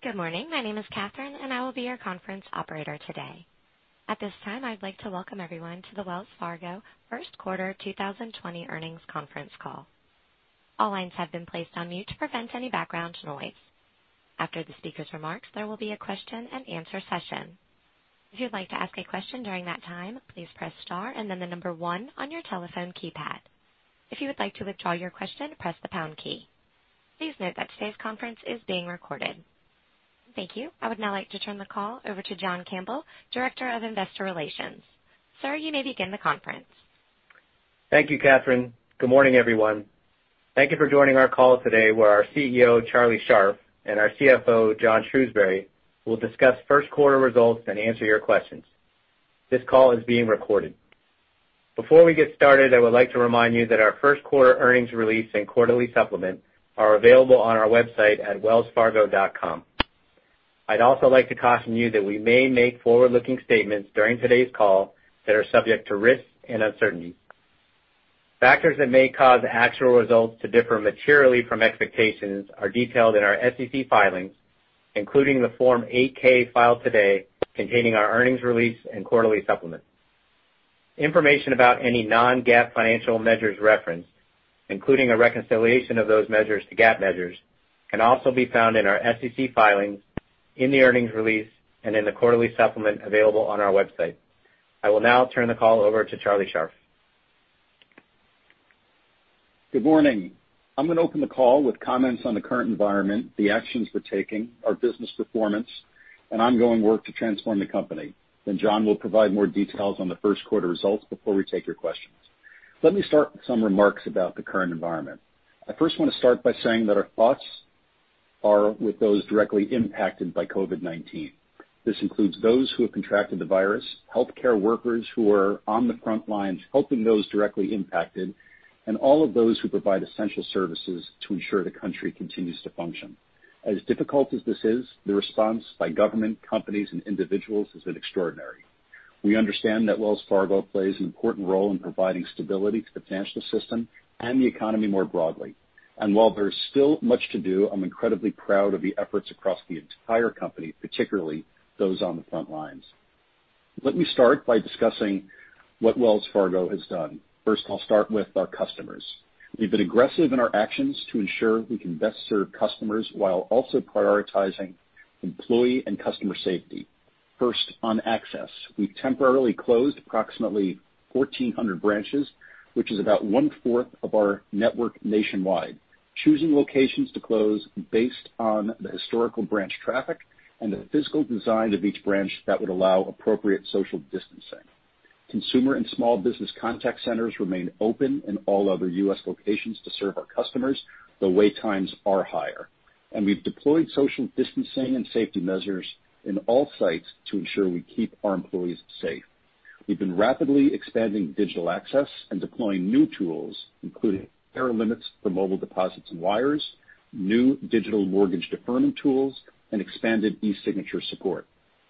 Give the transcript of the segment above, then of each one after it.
Good morning. My name is Catherine, and I will be your conference operator today. At this time, I'd like to welcome everyone to the Wells Fargo First Quarter 2020 earnings conference call. All lines have been placed on mute to prevent any background noise. After the speakers' remarks, there will be a question and answer session. If you'd like to ask a question during that time, please press star and then the number one on your telephone keypad. If you would like to withdraw your question, press the pound key. Please note that today's conference is being recorded. Thank you. I would now like to turn the call over to John Campbell, Director of Investor Relations. Sir, you may begin the conference. Thank you, Catherine. Good morning, everyone. Thank you for joining our call today, where our CEO, Charlie Scharf, and our CFO, John Shrewsberry, will discuss first quarter results and answer your questions. This call is being recorded. Before we get started, I would like to remind you that our first quarter earnings release and quarterly supplement are available on our website at wellsfargo.com. I'd also like to caution you that we may make forward-looking statements during today's call that are subject to risks and uncertainty. Factors that may cause actual results to differ materially from expectations are detailed in our SEC filings, including the Form 8-K filed today containing our earnings release and quarterly supplement. Information about any non-GAAP financial measures referenced, including a reconciliation of those measures to GAAP measures, can also be found in our SEC filings, in the earnings release, and in the quarterly supplement available on our website. I will now turn the call over to Charlie Scharf. Good morning. I'm going to open the call with comments on the current environment, the actions we're taking, our business performance, and ongoing work to transform the company. John will provide more details on the first quarter results before we take your questions. Let me start with some remarks about the current environment. I first want to start by saying that our thoughts are with those directly impacted by COVID-19. This includes those who have contracted the virus, healthcare workers who are on the front lines helping those directly impacted, and all of those who provide essential services to ensure the country continues to function. As difficult as this is, the response by government, companies, and individuals has been extraordinary. We understand that Wells Fargo plays an important role in providing stability to the financial system and the economy more broadly. While there's still much to do, I'm incredibly proud of the efforts across the entire company, particularly those on the front lines. Let me start by discussing what Wells Fargo has done. First, I'll start with our customers. We've been aggressive in our actions to ensure we can best serve customers while also prioritizing employee and customer safety. First, on access. We've temporarily closed approximately 1,400 branches, which is about one-fourth of our network nationwide, choosing locations to close based on the historical branch traffic and the physical design of each branch that would allow appropriate social distancing. Consumer and small business contact centers remain open in all other U.S. locations to serve our customers, though wait times are higher. We've deployed social distancing and safety measures in all sites to ensure we keep our employees safe. We've been rapidly expanding digital access and deploying new tools, including higher limits for mobile deposits and wires, new digital mortgage deferment tools, and expanded e-signature support.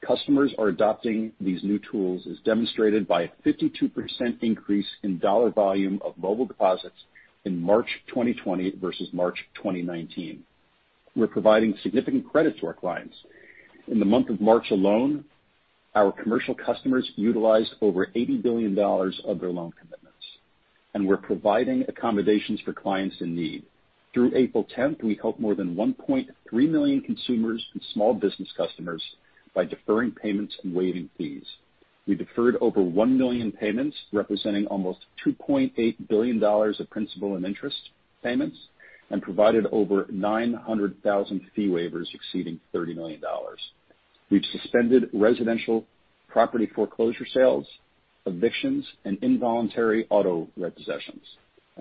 Customers are adopting these new tools, as demonstrated by a 52% increase in dollar volume of mobile deposits in March 2020 versus March 2019. We're providing significant credit to our clients. In the month of March alone, our commercial customers utilized over $80 billion of their loan commitments, and we're providing accommodations for clients in need. Through April 10th, we helped more than 1.3 million consumers and small business customers by deferring payments and waiving fees. We deferred over 1 million payments, representing almost $2.8 billion of principal and interest payments, and provided over 900,000 fee waivers exceeding $30 million. We've suspended residential property foreclosure sales, evictions, and involuntary auto repossessions.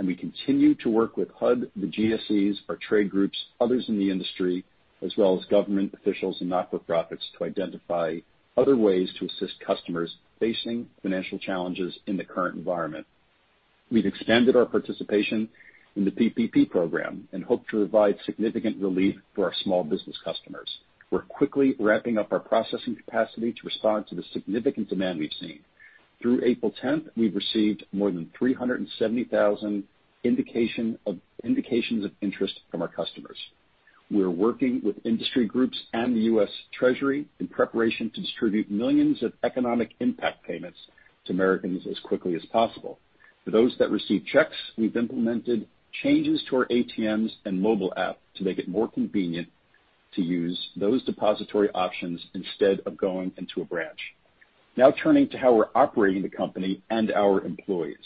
We continue to work with HUD, the GSEs, our trade groups, others in the industry, as well as government officials and not-for-profits, to identify other ways to assist customers facing financial challenges in the current environment. We've expanded our participation in the PPP program and hope to provide significant relief for our small business customers. We're quickly ramping up our processing capacity to respond to the significant demand we've seen. Through April 10th, we've received more than 370,000 indications of interest from our customers. We're working with industry groups and the U.S. Treasury in preparation to distribute millions of economic impact payments to Americans as quickly as possible. For those that receive checks, we've implemented changes to our ATMs and mobile app to make it more convenient to use those depository options instead of going into a branch. Now, turning to how we're operating the company and our employees.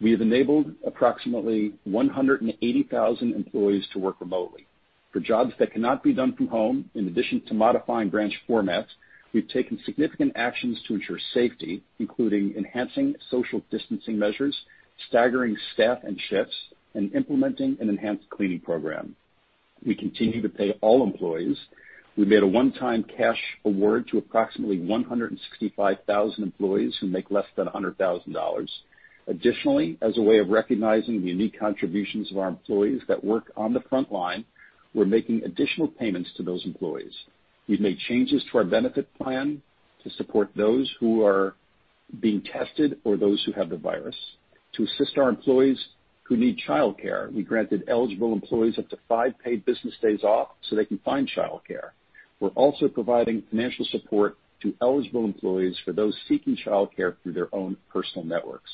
We have enabled approximately 180,000 employees to work remotely. For jobs that cannot be done from home, in addition to modifying branch formats, we've taken significant actions to ensure safety, including enhancing social distancing measures, staggering staff and shifts, and implementing an enhanced cleaning program. We continue to pay all employees. We made a one-time cash award to approximately 165,000 employees who make less than $100,000. As a way of recognizing the unique contributions of our employees that work on the front line, we're making additional payments to those employees. We've made changes to our benefit plan to support those who are being tested for those who have the virus. To assist our employees who need childcare, we granted eligible employees up to five paid business days off so they can find childcare. We're also providing financial support to eligible employees for those seeking childcare through their own personal networks.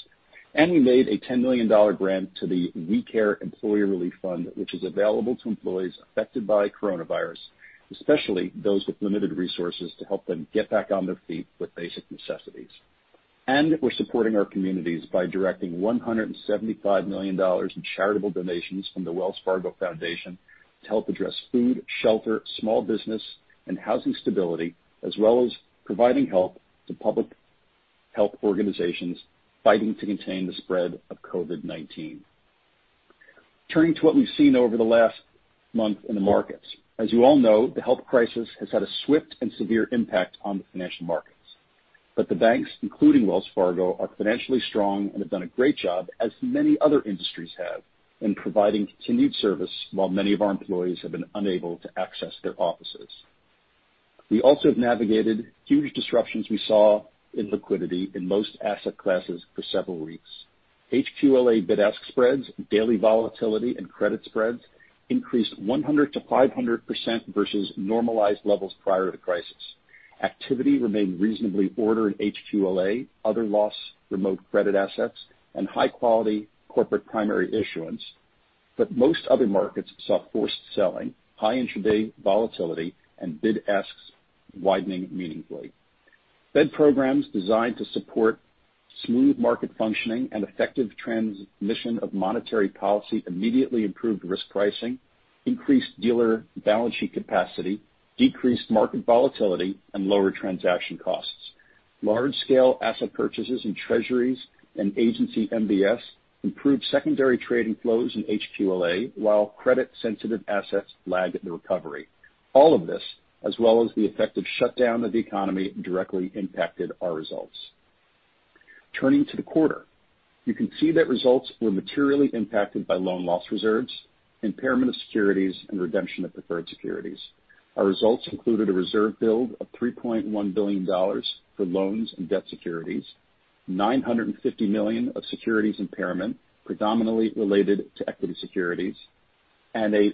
We made a $10 million grant to the WE Care Fund employee relief fund, which is available to employees affected by coronavirus, especially those with limited resources, to help them get back on their feet with basic necessities. We're supporting our communities by directing $175 million in charitable donations from the Wells Fargo Foundation to help address food, shelter, small business, and housing stability, as well as providing help to public health organizations fighting to contain the spread of COVID-19. Turning to what we've seen over the last month in the markets. As you all know, the health crisis has had a swift and severe impact on the financial markets. The banks, including Wells Fargo, are financially strong and have done a great job, as many other industries have, in providing continued service while many of our employees have been unable to access their offices. We also have navigated huge disruptions we saw in liquidity in most asset classes for several weeks. HQLA bid-ask spreads, daily volatility, and credit spreads increased 100% to 500% versus normalized levels prior to crisis. Activity remained reasonably ordered HQLA, other loss remote credit assets, and high-quality corporate primary issuance. Most other markets saw forced selling, high intraday volatility, and bid-asks widening meaningfully. Fed programs designed to support smooth market functioning and effective transmission of monetary policy immediately improved risk pricing, increased dealer balance sheet capacity, decreased market volatility, and lower transaction costs. Large-scale asset purchases in Treasuries and agency MBS improved secondary trading flows in HQLA, while credit-sensitive assets lagged the recovery. All of this, as well as the effective shutdown of the economy, directly impacted our results. Turning to the quarter. You can see that results were materially impacted by loan loss reserves, impairment of securities, and redemption of preferred securities. Our results included a reserve build of $3.1 billion for loans and debt securities, $950 million of securities impairment, predominantly related to equity securities, and a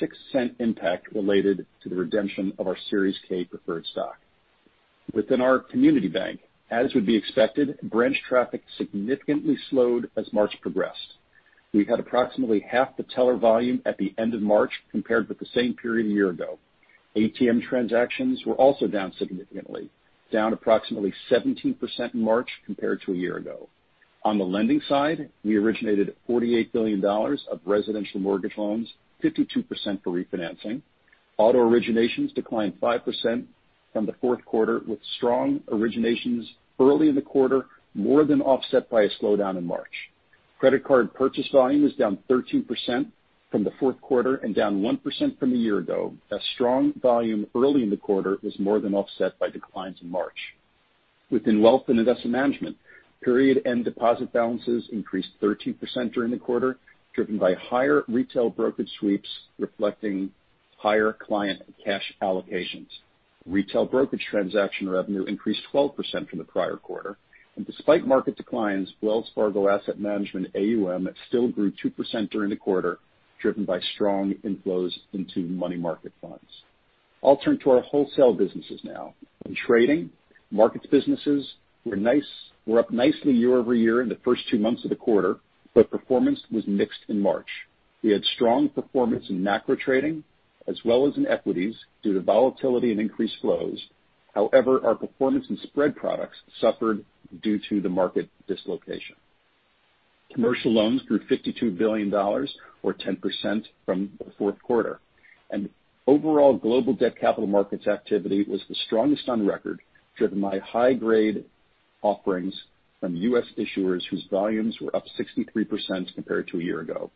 -$0.06 impact related to the redemption of our Series K preferred stock. Within our community bank, as would be expected, branch traffic significantly slowed as March progressed. We had approximately half the teller volume at the end of March compared with the same period a year ago. ATM transactions were also down significantly, down approximately 17% in March compared to a year ago. On the lending side, we originated $48 billion of residential mortgage loans, 52% for refinancing. Auto originations declined 5% from the fourth quarter, with strong originations early in the quarter, more than offset by a slowdown in March. Credit card purchase volume is down 13% from the fourth quarter and down 1% from a year ago, as strong volume early in the quarter was more than offset by declines in March. Within wealth and asset management, period end deposit balances increased 13% during the quarter, driven by higher retail brokerage sweeps reflecting higher client cash allocations. Retail brokerage transaction revenue increased 12% from the prior quarter. Despite market declines, Wells Fargo Asset Management AUM still grew 2% during the quarter, driven by strong inflows into money market funds. I'll turn to our wholesale businesses now. In trading, markets businesses were up nicely year-over-year in the first two months of the quarter, but performance was mixed in March. We had strong performance in macro trading as well as in equities due to volatility and increased flows. Our performance in spread products suffered due to the market dislocation. Commercial loans grew $52 billion, or 10%, from the fourth quarter, and overall global debt capital markets activity was the strongest on record, driven by high-grade offerings from U.S. issuers whose volumes were up 63% compared to a year ago.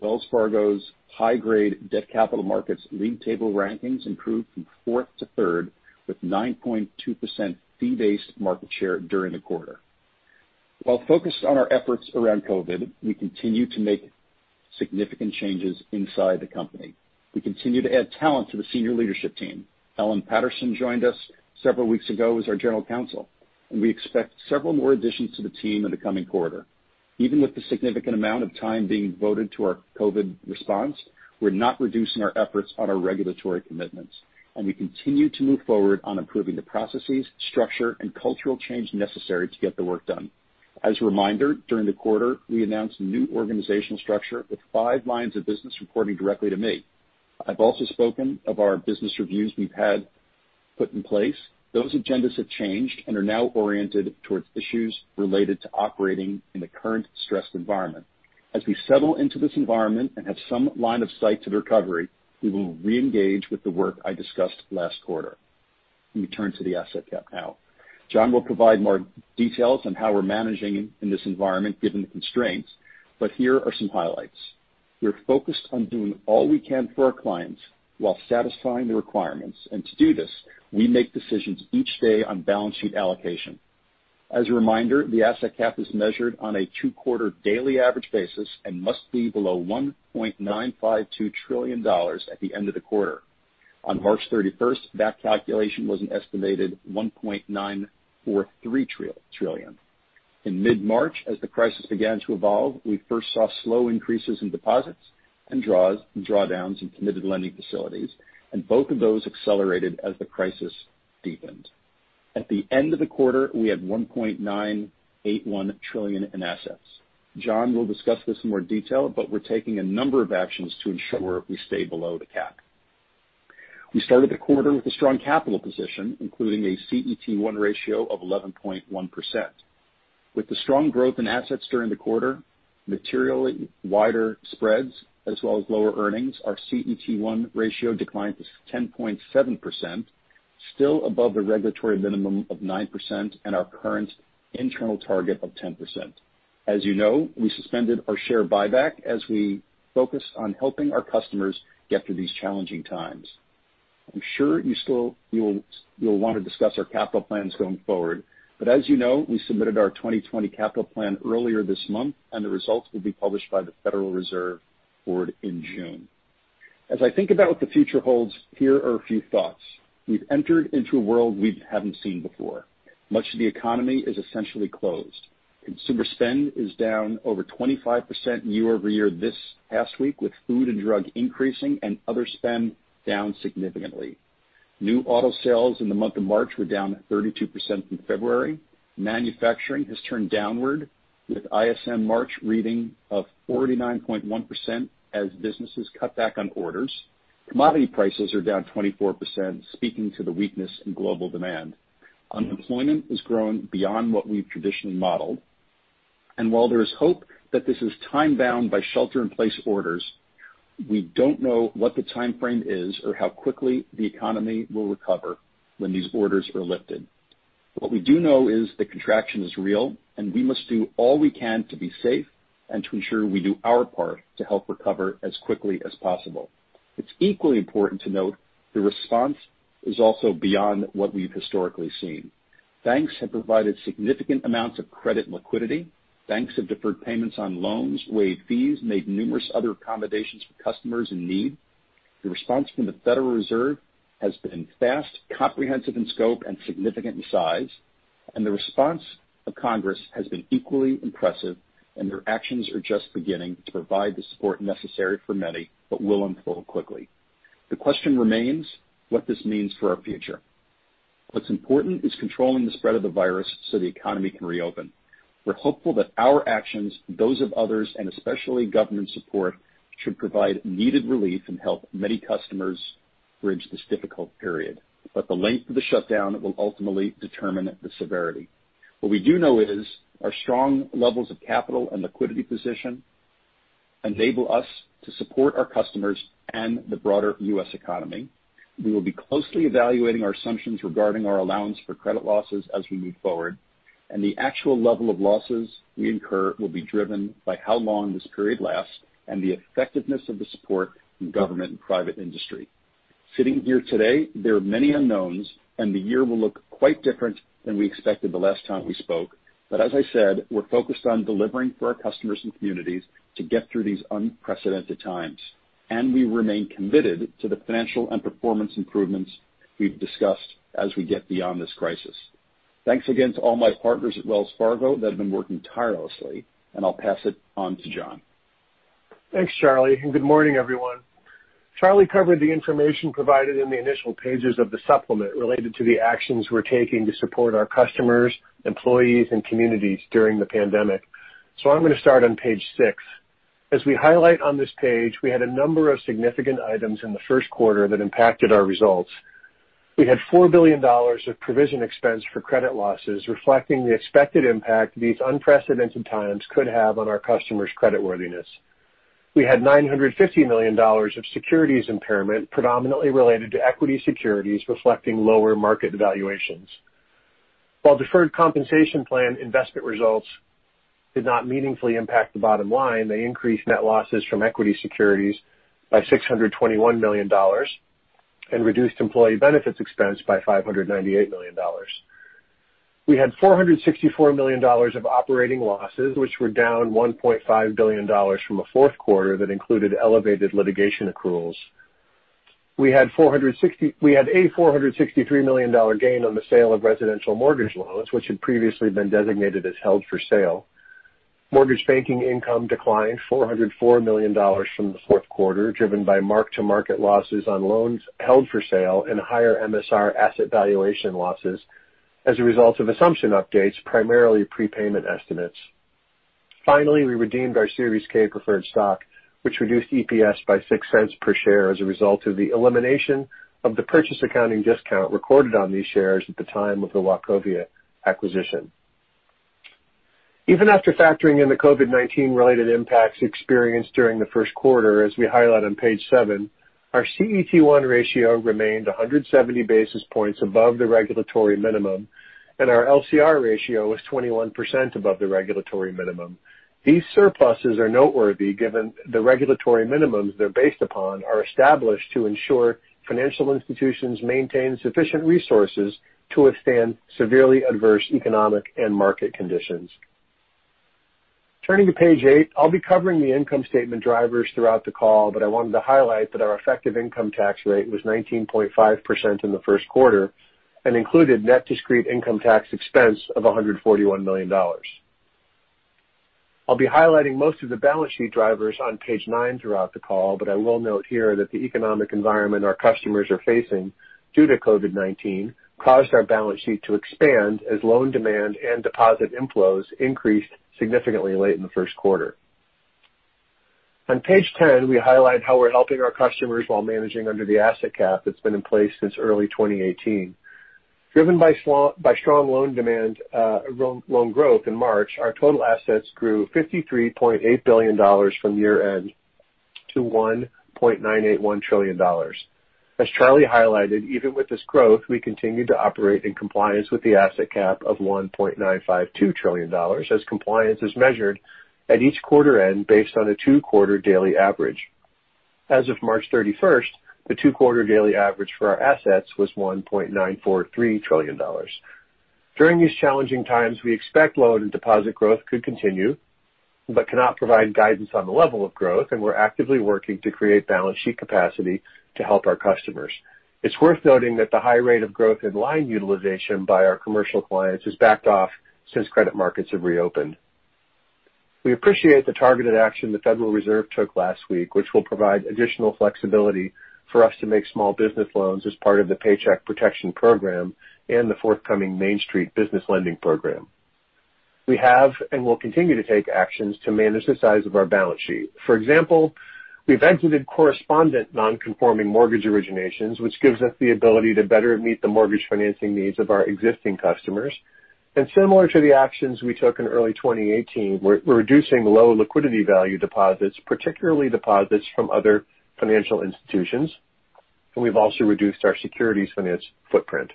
Wells Fargo's high-grade debt capital markets league table rankings improved from fourth to third, with 9.2% fee-based market share during the quarter. Focused on our efforts around COVID-19, we continue to make significant changes inside the company. We continue to add talent to the senior leadership team. Ellen Patterson joined us several weeks ago as our General Counsel, and we expect several more additions to the team in the coming quarter. Even with the significant amount of time being devoted to our COVID response, we're not reducing our efforts on our regulatory commitments, and we continue to move forward on improving the processes, structure, and cultural change necessary to get the work done. As a reminder, during the quarter, we announced a new organizational structure with five lines of business reporting directly to me. I've also spoken of our business reviews we've had put in place. Those agendas have changed and are now oriented towards issues related to operating in the current stressed environment. As we settle into this environment and have some line of sight to the recovery, we will re-engage with the work I discussed last quarter. Let me turn to the asset cap now. John will provide more details on how we're managing in this environment given the constraints, but here are some highlights. We're focused on doing all we can for our clients while satisfying the requirements. To do this, we make decisions each day on balance sheet allocation. As a reminder, the asset cap is measured on a two-quarter daily average basis and must be below $1.952 trillion at the end of the quarter. On March 31st, that calculation was an estimated $1.943 trillion. In mid-March, as the crisis began to evolve, we first saw slow increases in deposits and drawdowns in committed lending facilities, and both of those accelerated as the crisis deepened. At the end of the quarter, we had $1.981 trillion in assets. John will discuss this in more detail, but we're taking a number of actions to ensure we stay below the cap. We started the quarter with a strong capital position, including a CET1 ratio of 11.1%. With the strong growth in assets during the quarter, materially wider spreads, as well as lower earnings, our CET1 ratio declined to 10.7%, still above the regulatory minimum of 9% and our current internal target of 10%. As you know, we suspended our share buyback as we focus on helping our customers get through these challenging times. I'm sure you'll want to discuss our capital plans going forward. As you know, we submitted our 2020 capital plan earlier this month, and the results will be published by the Federal Reserve Board in June. As I think about what the future holds, here are a few thoughts. We've entered into a world we haven't seen before. Much of the economy is essentially closed. Consumer spend is down over 25% year-over-year this past week, with food and drug increasing and other spend down significantly. New auto sales in the month of March were down 32% from February. Manufacturing has turned downward with ISM March reading of 49.1% as businesses cut back on orders. Commodity prices are down 24%, speaking to the weakness in global demand. Unemployment has grown beyond what we've traditionally modeled. While there is hope that this is time-bound by shelter-in-place orders, we don't know what the timeframe is or how quickly the economy will recover when these orders are lifted. What we do know is the contraction is real, and we must do all we can to be safe and to ensure we do our part to help recover as quickly as possible. It's equally important to note the response is also beyond what we've historically seen. Banks have provided significant amounts of credit liquidity. Banks have deferred payments on loans, waived fees, made numerous other accommodations for customers in need. The response from the Federal Reserve has been fast, comprehensive in scope, and significant in size. The response of Congress has been equally impressive, and their actions are just beginning to provide the support necessary for many but will unfold quickly. The question remains what this means for our future. What's important is controlling the spread of the virus so the economy can reopen. We're hopeful that our actions, those of others, and especially government support, should provide needed relief and help many customers bridge this difficult period. The length of the shutdown will ultimately determine the severity. What we do know is our strong levels of capital and liquidity position enable us to support our customers and the broader U.S. economy. We will be closely evaluating our assumptions regarding our allowance for credit losses as we move forward, and the actual level of losses we incur will be driven by how long this period lasts and the effectiveness of the support from government and private industry. Sitting here today, there are many unknowns, and the year will look quite different than we expected the last time we spoke. As I said, we're focused on delivering for our customers and communities to get through these unprecedented times. We remain committed to the financial and performance improvements we've discussed as we get beyond this crisis. Thanks again to all my partners at Wells Fargo that have been working tirelessly. I'll pass it on to John. Thanks, Charlie, good morning, everyone. Charlie covered the information provided in the initial pages of the supplement related to the actions we're taking to support our customers, employees, and communities during the pandemic. I'm going to start on page six. As we highlight on this page, we had a number of significant items in the first quarter that impacted our results. We had $4 billion of provision expense for credit losses, reflecting the expected impact these unprecedented times could have on our customers' creditworthiness. We had $950 million of securities impairment, predominantly related to equity securities, reflecting lower market valuations. While deferred compensation plan investment results did not meaningfully impact the bottom line, they increased net losses from equity securities by $621 million and reduced employee benefits expense by $598 million. We had $464 million of operating losses, which were down $1.5 billion from a fourth quarter that included elevated litigation accruals. We had a $463 million gain on the sale of residential mortgage loans, which had previously been designated as held for sale. Mortgage banking income declined $404 million from the fourth quarter, driven by mark-to-market losses on loans held for sale and higher MSR asset valuation losses as a result of assumption updates, primarily prepayment estimates. Finally, we redeemed our Series K preferred stock, which reduced EPS by $0.06 per share as a result of the elimination of the purchase accounting discount recorded on these shares at the time of the Wachovia acquisition. Even after factoring in the COVID-19-related impacts experienced during the first quarter, as we highlight on page seven, our CET1 ratio remained 170 basis points above the regulatory minimum, and our LCR ratio was 21% above the regulatory minimum. These surpluses are noteworthy, given the regulatory minimums they're based upon are established to ensure financial institutions maintain sufficient resources to withstand severely adverse economic and market conditions. Turning to page eight, I'll be covering the income statement drivers throughout the call, but I wanted to highlight that our effective income tax rate was 19.5% in the first quarter and included net discrete income tax expense of $141 million. I'll be highlighting most of the balance sheet drivers on page nine throughout the call, but I will note here that the economic environment our customers are facing due to COVID-19 caused our balance sheet to expand as loan demand and deposit inflows increased significantly late in the first quarter. On page 10, we highlight how we're helping our customers while managing under the asset cap that's been in place since early 2018. Driven by strong loan demand, loan growth in March, our total assets grew $53.8 billion from year-end to $1.981 trillion. As Charlie highlighted, even with this growth, we continued to operate in compliance with the asset cap of $1.952 trillion as compliance is measured at each quarter end based on a two-quarter daily average. As of March 31st, the two-quarter daily average for our assets was $1.943 trillion. During these challenging times, we expect loan and deposit growth could continue, but cannot provide guidance on the level of growth, and we're actively working to create balance sheet capacity to help our customers. It's worth noting that the high rate of growth in line utilization by our commercial clients has backed off since credit markets have reopened. We appreciate the targeted action the Federal Reserve took last week, which will provide additional flexibility for us to make small business loans as part of the Paycheck Protection Program and the forthcoming Main Street Lending Program. We have and will continue to take actions to manage the size of our balance sheet. For example, we've exited correspondent non-conforming mortgage originations, which gives us the ability to better meet the mortgage financing needs of our existing customers. Similar to the actions we took in early 2018, we're reducing low liquidity value deposits, particularly deposits from other financial institutions, and we've also reduced our securities finance footprint.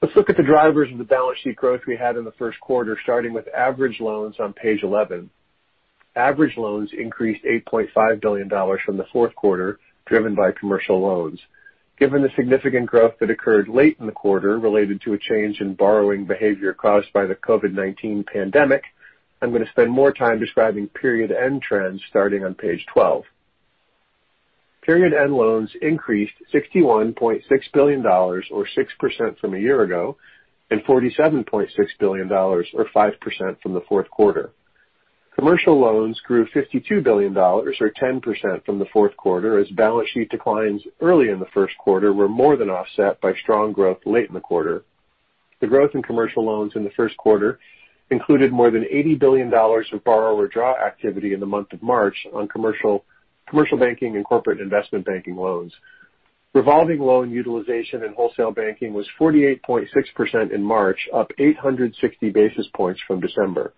Let's look at the drivers of the balance sheet growth we had in the first quarter, starting with average loans on page 11. Average loans increased $8.5 billion from the fourth quarter, driven by commercial loans. Given the significant growth that occurred late in the quarter related to a change in borrowing behavior caused by the COVID-19 pandemic, I'm going to spend more time describing period end trends starting on page 12. Period end loans increased $61.6 billion or 6% from a year ago, and $47.6 billion or 5% from the fourth quarter. Commercial loans grew $52 billion or 10% from the fourth quarter, as balance sheet declines early in the first quarter were more than offset by strong growth late in the quarter. The growth in commercial loans in the first quarter included more than $80 billion of borrower draw activity in the month of March on Commercial Banking and Corporate Investment Banking loans. Revolving loan utilization in Wholesale Banking was 48.6% in March, up 860 basis points from December.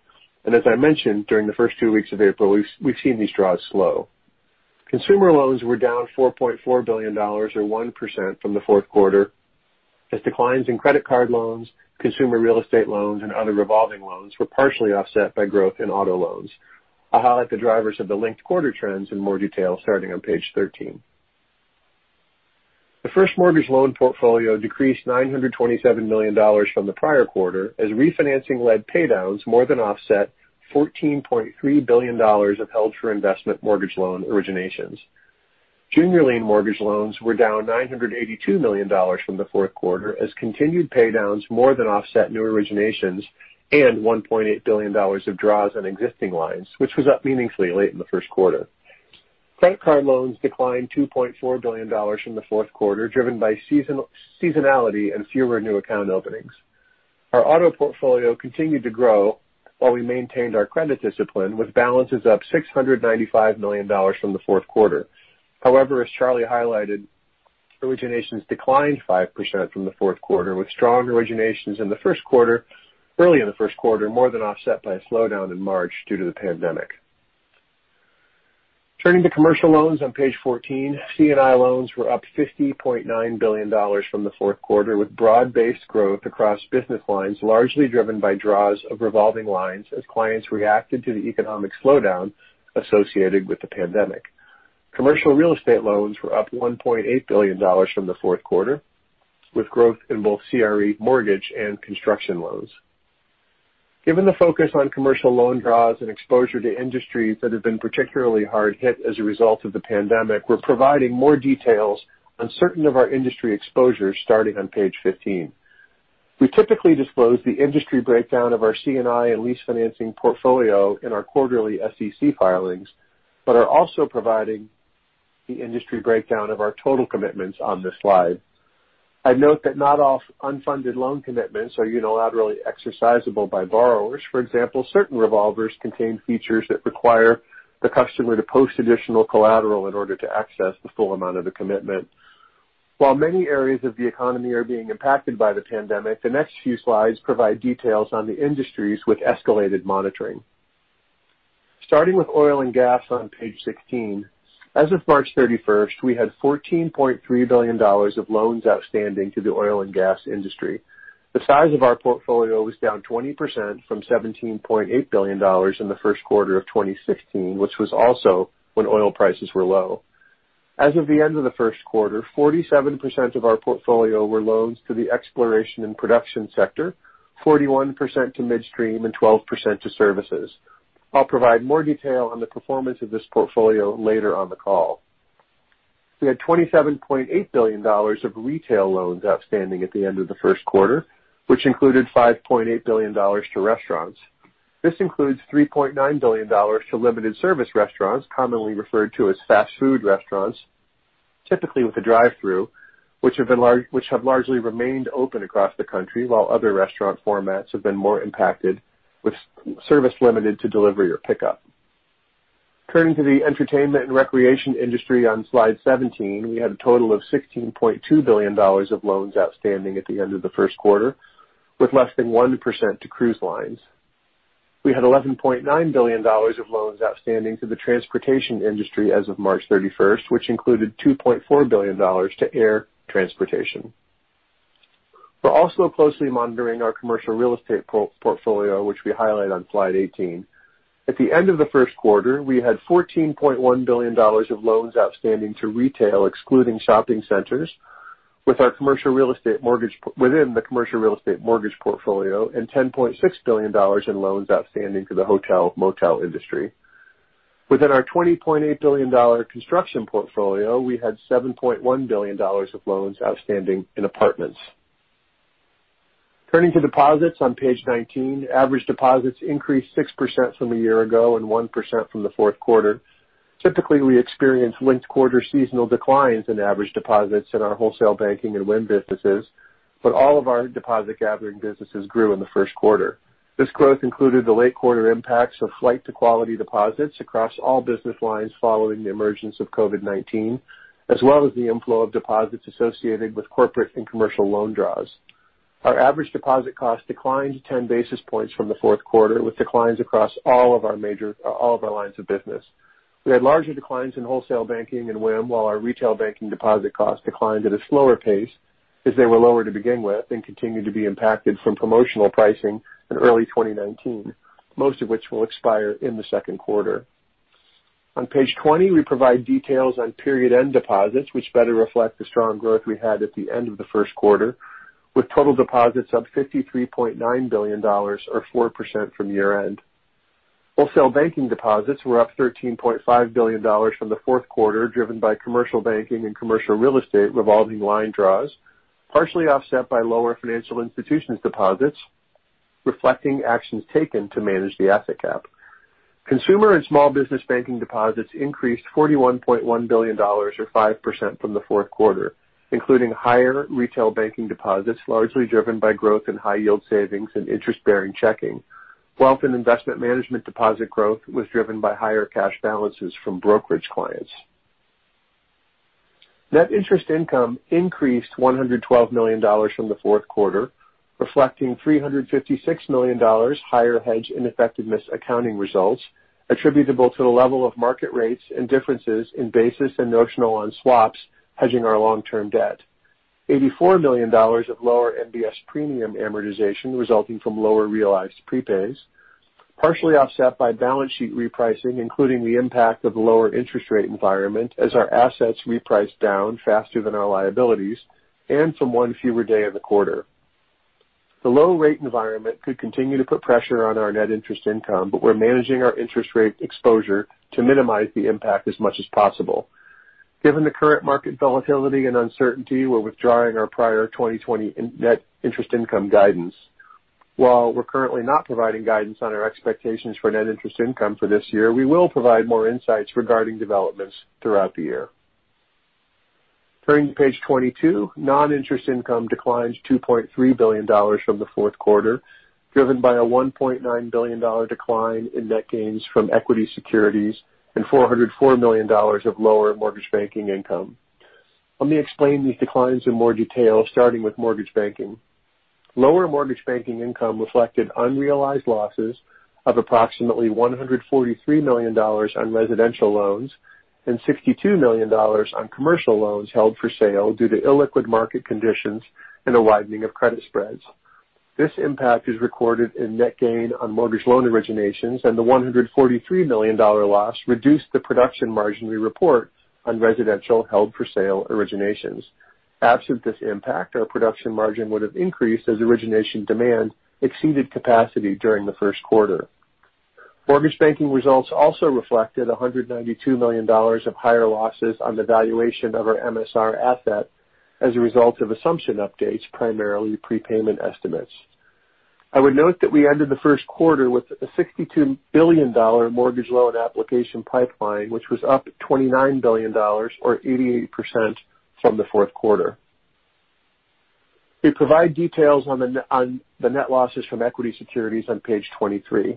As I mentioned, during the first two weeks of April, we've seen these draws slow. Consumer loans were down $4.4 billion or 1% from the fourth quarter, as declines in credit card loans, consumer real estate loans, and other revolving loans were partially offset by growth in auto loans. I'll highlight the drivers of the linked quarter trends in more detail starting on page 13. The first mortgage loan portfolio decreased $927 million from the prior quarter, as refinancing led paydowns more than offset $14.3 billion of held for investment mortgage loan originations. Junior lien mortgage loans were down $982 million from the fourth quarter as continued paydowns more than offset new originations and $1.8 billion of draws on existing lines, which was up meaningfully late in the first quarter. Credit card loans declined $2.4 billion from the fourth quarter, driven by seasonality and fewer new account openings. Our auto portfolio continued to grow while we maintained our credit discipline, with balances up $695 million from the fourth quarter. However, as Charlie highlighted, originations declined 5% from the fourth quarter, with strong originations early in the first quarter, more than offset by a slowdown in March due to the pandemic. Turning to commercial loans on page 14, C&I loans were up $50.9 billion from the fourth quarter, with broad-based growth across business lines, largely driven by draws of revolving lines as clients reacted to the economic slowdown associated with the pandemic. Commercial real estate loans were up $1.8 billion from the fourth quarter, with growth in both CRE mortgage and construction loans. Given the focus on commercial loan draws and exposure to industries that have been particularly hard hit as a result of the pandemic, we're providing more details on certain of our industry exposures starting on page 15. We typically disclose the industry breakdown of our C&I and lease financing portfolio in our quarterly SEC filings, but are also providing the industry breakdown of our total commitments on this slide. I'd note that not all unfunded loan commitments are unilaterally exercisable by borrowers. For example, certain revolvers contain features that require the customer to post additional collateral in order to access the full amount of the commitment. While many areas of the economy are being impacted by the pandemic, the next few slides provide details on the industries with escalated monitoring. Starting with oil and gas on page 16. As of March 31st, we had $14.3 billion of loans outstanding to the oil and gas industry. The size of our portfolio was down 20% from $17.8 billion in the first quarter of 2016, which was also when oil prices were low. As of the end of the first quarter, 47% of our portfolio were loans to the exploration and production sector, 41% to midstream, and 12% to services. I'll provide more detail on the performance of this portfolio later on the call. We had $27.8 billion of retail loans outstanding at the end of the first quarter, which included $5.8 billion to restaurants. This includes $3.9 billion to limited service restaurants, commonly referred to as fast food restaurants, typically with a drive-through, which have largely remained open across the country while other restaurant formats have been more impacted, with service limited to delivery or pickup. Turning to the entertainment and recreation industry on slide 17, we had a total of $16.2 billion of loans outstanding at the end of the first quarter, with less than 1% to cruise lines. We had $11.9 billion of loans outstanding to the transportation industry as of March 31st, which included $2.4 billion to air transportation. We're also closely monitoring our commercial real estate portfolio, which we highlight on slide 18. At the end of the first quarter, we had $14.1 billion of loans outstanding to retail, excluding shopping centers, within the commercial real estate mortgage portfolio, and $10.6 billion in loans outstanding to the hotel, motel industry. Within our $20.8 billion construction portfolio, we had $7.1 billion of loans outstanding in apartments. Turning to deposits on page 19, average deposits increased 6% from a year ago and 1% from the fourth quarter. Typically, we experience linked quarter seasonal declines in average deposits in our wholesale banking and WIM businesses, but all of our deposit gathering businesses grew in the first quarter. This growth included the late quarter impacts of flight to quality deposits across all business lines following the emergence of COVID-19, as well as the inflow of deposits associated with corporate and commercial loan draws. Our average deposit cost declined 10 basis points from the fourth quarter, with declines across all of our lines of business. We had larger declines in Wholesale Banking and WIM, while our Retail Banking deposit cost declined at a slower pace as they were lower to begin with and continue to be impacted from promotional pricing in early 2019, most of which will expire in the second quarter. On page 20, we provide details on period-end deposits, which better reflect the strong growth we had at the end of the first quarter. With total deposits up $53.9 or 4% from year-end. Wholesale Banking deposits were up $13.5 billion from the fourth quarter, driven by Commercial Banking and Commercial Real Estate revolving line draws, partially offset by lower Financial Institutions deposits, reflecting actions taken to manage the asset cap. Consumer and Small Business Banking deposits increased $41.1 billion or 5% from the fourth quarter, including higher Retail Banking deposits, largely driven by growth in high yield savings and interest-bearing checking. Wealth and investment management deposit growth was driven by higher cash balances from brokerage clients. Net interest income increased $112 million from the fourth quarter, reflecting $356 million higher hedge ineffectiveness accounting results attributable to the level of market rates and differences in basis and notional on swaps hedging our long-term debt, $84 million of lower MBS premium amortization resulting from lower realized prepays, partially offset by balance sheet repricing, including the impact of lower interest rate environment as our assets reprice down faster than our liabilities, and from one fewer day in the quarter. The low rate environment could continue to put pressure on our net interest income, but we're managing our interest rate exposure to minimize the impact as much as possible. Given the current market volatility and uncertainty, we're withdrawing our prior 2020 net interest income guidance. While we're currently not providing guidance on our expectations for net interest income for this year, we will provide more insights regarding developments throughout the year. Turning to page 22, non-interest income declines $2.3 billion from the fourth quarter, driven by a $1.9 billion decline in net gains from equity securities and $404 million of lower mortgage banking income. Let me explain these declines in more detail, starting with mortgage banking. Lower mortgage banking income reflected unrealized losses of approximately $143 million on residential loans and $62 million on commercial loans held for sale due to illiquid market conditions and a widening of credit spreads. This impact is recorded in net gain on mortgage loan originations, and the $143 million loss reduced the production margin we report on residential held for sale originations. Absent this impact, our production margin would have increased as origination demand exceeded capacity during the first quarter. Mortgage banking results also reflected $192 million of higher losses on the valuation of our MSR asset as a result of assumption updates, primarily prepayment estimates. I would note that we ended the first quarter with a $62 billion mortgage loan application pipeline, which was up $29 billion or 88% from the fourth quarter. We provide details on the net losses from equity securities on page 23.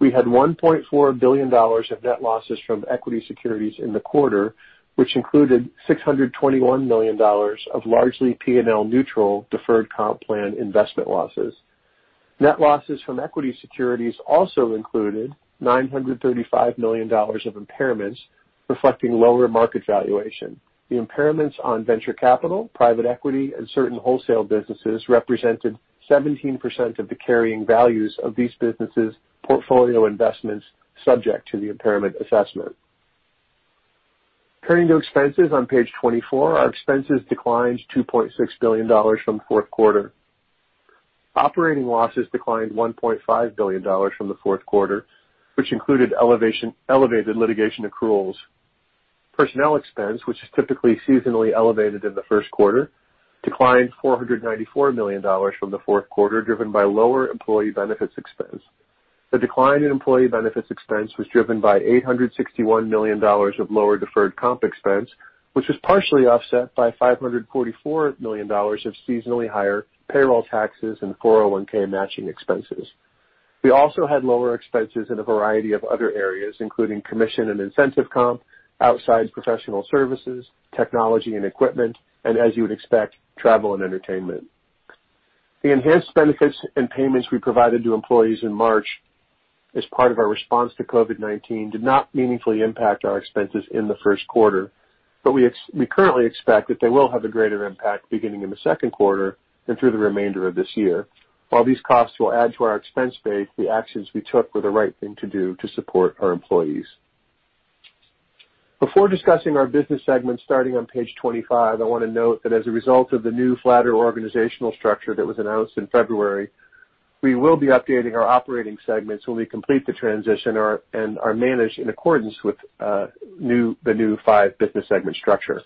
We had $1.4 billion of net losses from equity securities in the quarter, which included $621 million of largely P&L neutral deferred comp plan investment losses. Net losses from equity securities also included $935 million of impairments reflecting lower market valuations. The impairments on venture capital, private equity, and certain wholesale businesses represented 17% of the carrying values of these businesses' portfolio investments subject to the impairment assessment. Turning to expenses on page 24, our expenses declined $2.6 billion from fourth quarter. Operating losses declined $1.5 billion from the fourth quarter, which included elevated litigation accruals. Personnel expense, which is typically seasonally elevated in the first quarter, declined $494 million from the fourth quarter, driven by lower employee benefits expense. The decline in employee benefits expense was driven by $861 million of lower deferred comp expense, which was partially offset by $544 million of seasonally higher payroll taxes and 401 matching expenses. We also had lower expenses in a variety of other areas, including commission and incentive comp, outside professional services, technology and equipment, and as you would expect, travel and entertainment. The enhanced benefits and payments we provided to employees in March as part of our response to COVID-19 did not meaningfully impact our expenses in the first quarter, but we currently expect that they will have a greater impact beginning in the second quarter and through the remainder of this year. While these costs will add to our expense base, the actions we took were the right thing to do to support our employees. Before discussing our business segments starting on page 25, I want to note that as a result of the new flatter organizational structure that was announced in February, we will be updating our operating segments when we complete the transition and are managed in accordance with the new five business segment structure.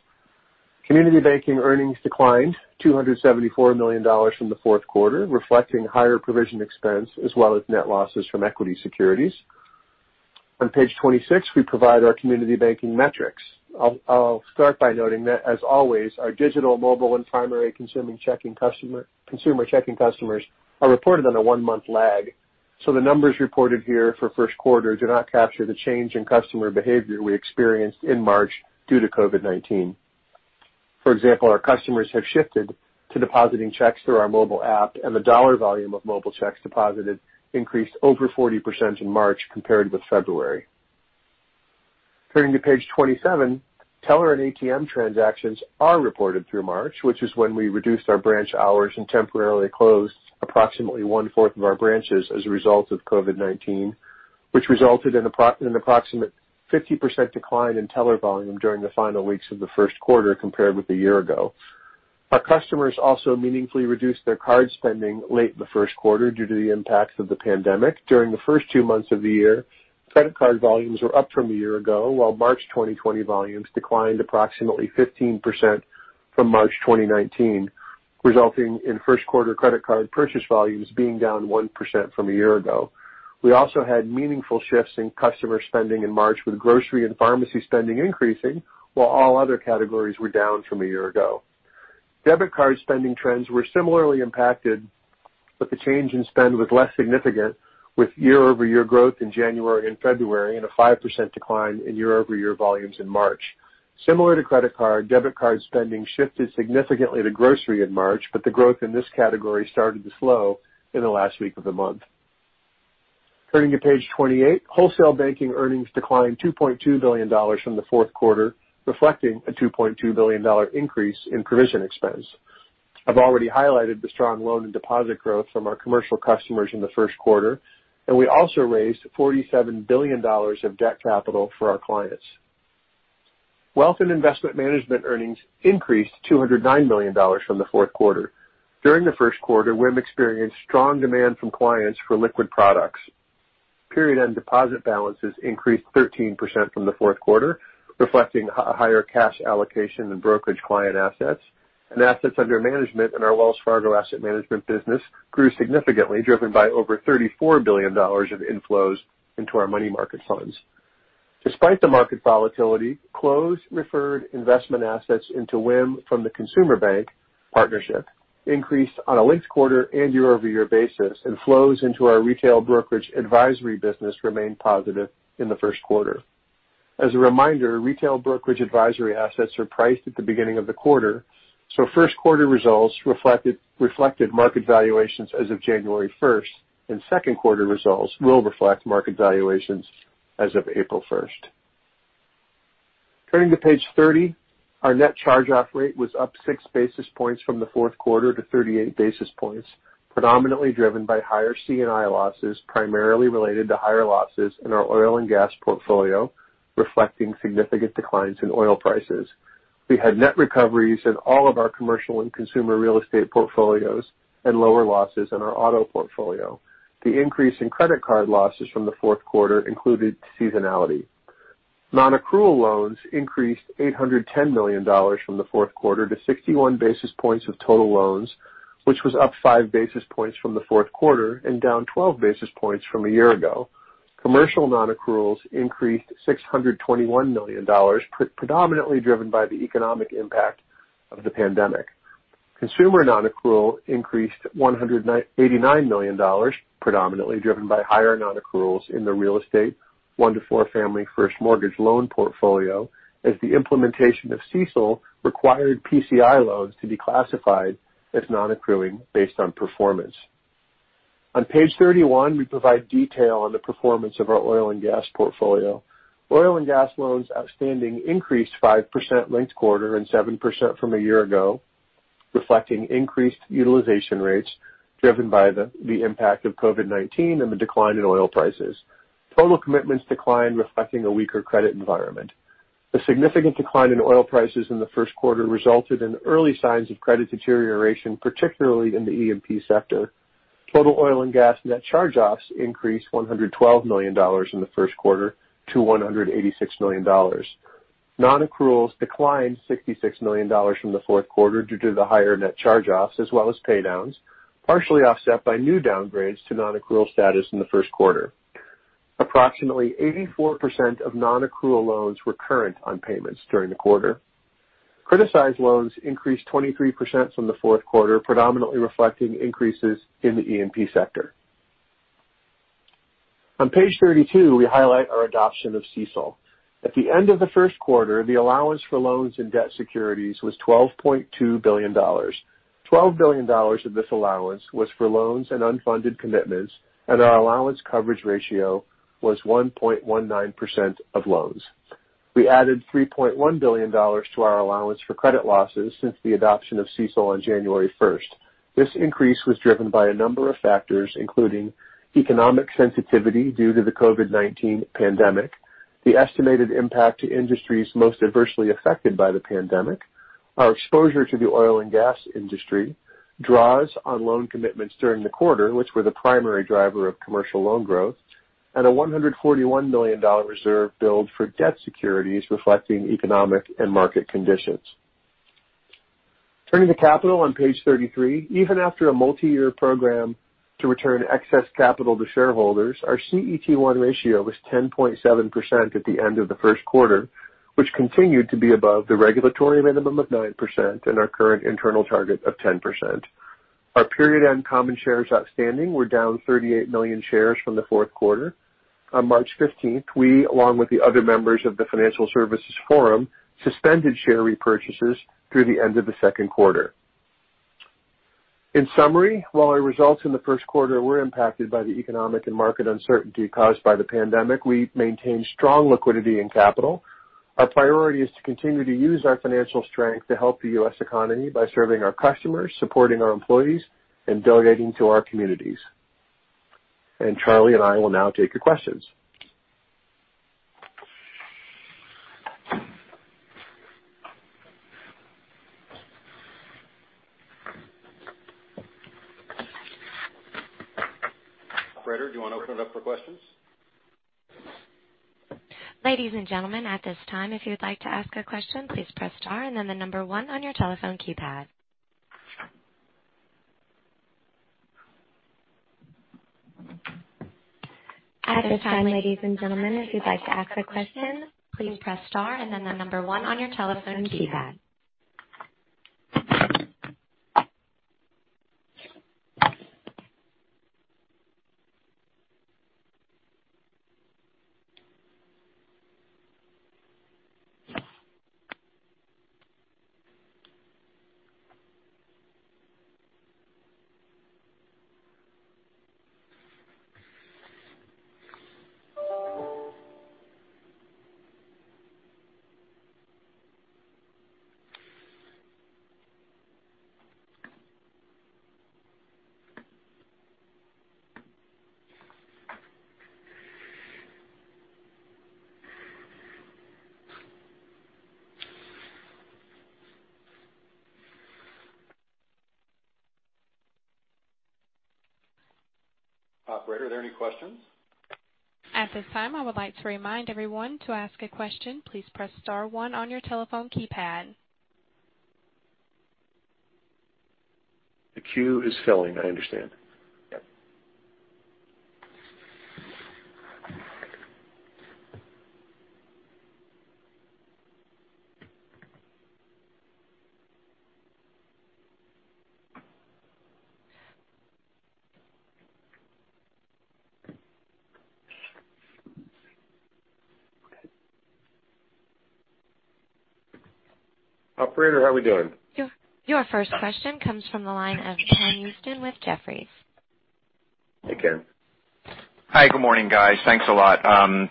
Community Banking earnings declined $274 million from the fourth quarter, reflecting higher provision expense as well as net losses from equity securities. On page 26, we provide our Community Banking metrics. I'll start by noting that, as always, our digital, mobile, and primary consumer checking customers are reported on a one-month lag, so the numbers reported here for first quarter do not capture the change in customer behavior we experienced in March due to COVID-19. For example, our customers have shifted to depositing checks through our mobile app, and the dollar volume of mobile checks deposited increased over 40% in March compared with February. Turning to page 27, teller and ATM transactions are reported through March, which is when we reduced our branch hours and temporarily closed approximately one-fourth of our branches as a result of COVID-19, which resulted in an approximate 50% decline in teller volume during the final weeks of the first quarter compared with a year ago. Our customers also meaningfully reduced their card spending late in the first quarter due to the impacts of the pandemic. During the first two months of the year, credit card volumes were up from a year ago, while March 2020 volumes declined approximately 15% from March 2019, resulting in first quarter credit card purchase volumes being down 1% from a year ago. We also had meaningful shifts in customer spending in March with grocery and pharmacy spending increasing, while all other categories were down from a year ago. Debit card spending trends were similarly impacted, but the change in spend was less significant, with year-over-year growth in January and February and a 5% decline in year-over-year volumes in March. Similar to credit card, debit card spending shifted significantly to grocery in March, but the growth in this category started to slow in the last week of the month. Turning to page 28, wholesale banking earnings declined $2.2 billion from the fourth quarter, reflecting a $2.2 billion increase in provision expense. We also raised $47 billion of debt capital for our clients. Wealth and Investment Management earnings increased $209 million from the fourth quarter. During the first quarter, WIM experienced strong demand from clients for liquid products. Period-end deposit balances increased 13% from the fourth quarter, reflecting higher cash allocation and brokerage client assets. Assets under management in our Wells Fargo Asset Management business grew significantly, driven by over $34 billion of inflows into our money market funds. Despite the market volatility, close referred investment assets into WIM from the consumer bank partnership increased on a linked quarter and year-over-year basis, and flows into our retail brokerage advisory business remained positive in the first quarter. As a reminder, retail brokerage advisory assets are priced at the beginning of the quarter, so first quarter results reflected market valuations as of January 1st, and second quarter results will reflect market valuations as of April 1st. Turning to page 30, our net charge-off rate was up 6 basis points from the fourth quarter to 38 basis points, predominantly driven by higher C&I losses, primarily related to higher losses in our oil and gas portfolio, reflecting significant declines in oil prices. We had net recoveries in all of our commercial and consumer real estate portfolios and lower losses in our auto portfolio. The increase in credit card losses from the fourth quarter included seasonality. Non-accrual loans increased $810 million from the fourth quarter to 61 basis points of total loans, which was up 5 basis points from the fourth quarter and down 12 basis points from a year ago. Commercial non-accruals increased $621 million, predominantly driven by the economic impact of the pandemic. Consumer non-accrual increased $189 million, predominantly driven by higher non-accruals in the real estate one to four family first mortgage loan portfolio, as the implementation of CECL required PCI loans to be classified as non-accruing based on performance. On page 31, we provide detail on the performance of our oil and gas portfolio. Oil and gas loans outstanding increased 5% linked quarter and 7% from a year ago, reflecting increased utilization rates driven by the impact of COVID-19 and the decline in oil prices. Total commitments declined, reflecting a weaker credit environment. The significant decline in oil prices in the first quarter resulted in early signs of credit deterioration, particularly in the E&P sector. Total oil and gas net charge-offs increased $112 million in the first quarter to $186 million. Non-accruals declined $66 million from the fourth quarter due to the higher net charge-offs, as well as paydowns, partially offset by new downgrades to non-accrual status in the first quarter. Approximately 84% of non-accrual loans were current on payments during the quarter. Criticized loans increased 23% from the fourth quarter, predominantly reflecting increases in the E&P sector. On page 32, we highlight our adoption of CECL. At the end of the first quarter, the allowance for loans and debt securities was $12.2 billion. $12 billion of this allowance was for loans and unfunded commitments, and our allowance coverage ratio was 1.19% of loans. We added $3.1 billion to our allowance for credit losses since the adoption of CECL on January 1st. This increase was driven by a number of factors, including economic sensitivity due to the COVID-19 pandemic, the estimated impact to industries most adversely affected by the pandemic, our exposure to the oil and gas industry, draws on loan commitments during the quarter, which were the primary driver of commercial loan growth, and a $141 million reserve build for debt securities reflecting economic and market conditions. Turning to capital on page 33. Even after a multi-year program to return excess capital to shareholders, our CET1 ratio was 10.7% at the end of the first quarter, which continued to be above the regulatory minimum of 9% and our current internal target of 10%. Our period end common shares outstanding were down 38 million shares from the fourth quarter. On March 15th, we, along with the other members of the Financial Services Forum, suspended share repurchases through the end of the second quarter. In summary, while our results in the first quarter were impacted by the economic and market uncertainty caused by the pandemic, we maintained strong liquidity and capital. Our priority is to continue to use our financial strength to help the U.S. economy by serving our customers, supporting our employees, and donating to our communities. Charlie and I will now take your questions. Operator, do you want to open it up for questions? Ladies and gentlemen, at this time, if you'd like to ask a question, please press star and then the number one on your telephone keypad. Operator, are there any questions? At this time, I would like to remind everyone, to ask a question, please press star one on your telephone keypad. The queue is filling, I understand. Yep. Operator, how are we doing? Your first question comes from the line of Ken Usdin with Jefferies. Hey, Ken. Hi, good morning, guys. Thanks a lot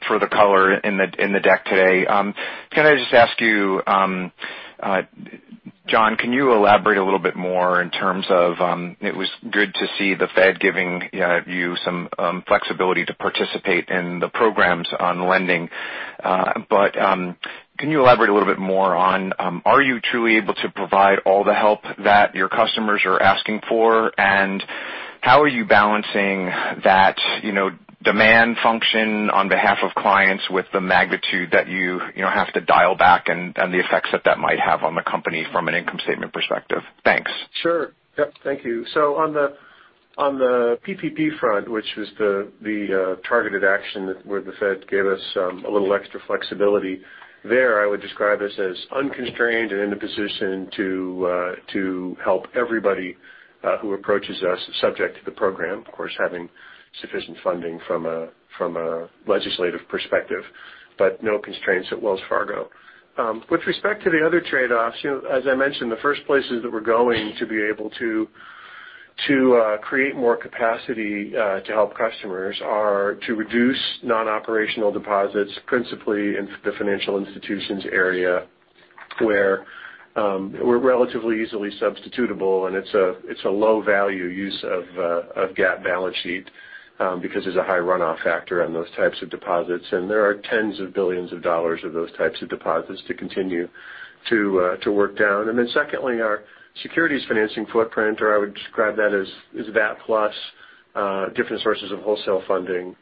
for the color in the deck today. Can I just ask you, John, can you elaborate a little bit more in terms of, it was good to see the Fed giving you some flexibility to participate in the programs on lending. Can you elaborate a little bit more on are you truly able to provide all the help that your customers are asking for? How are you balancing that demand function on behalf of clients with the magnitude that you have to dial back and the effects that that might have on the company from an income statement perspective? Thanks. Sure. Yep. Thank you. On the PPP front, which was the targeted action where the Fed gave us a little extra flexibility there, I would describe us as unconstrained and in a position to help everybody who approaches us subject to the program, of course, having Sufficient funding from a legislative perspective, no constraints at Wells Fargo. With respect to the other trade-offs, as I mentioned, the first places that we're going to be able to create more capacity to help customers are to reduce non-operational deposits, principally in the financial institutions area, where we're relatively easily substitutable, and it's a low-value use of GAAP balance sheet because there's a high runoff factor on those types of deposits. There are tens of billions of dollars of those types of deposits to continue to work down. Secondly, our securities financing footprint, or I would describe that as that plus different sources of wholesale funding.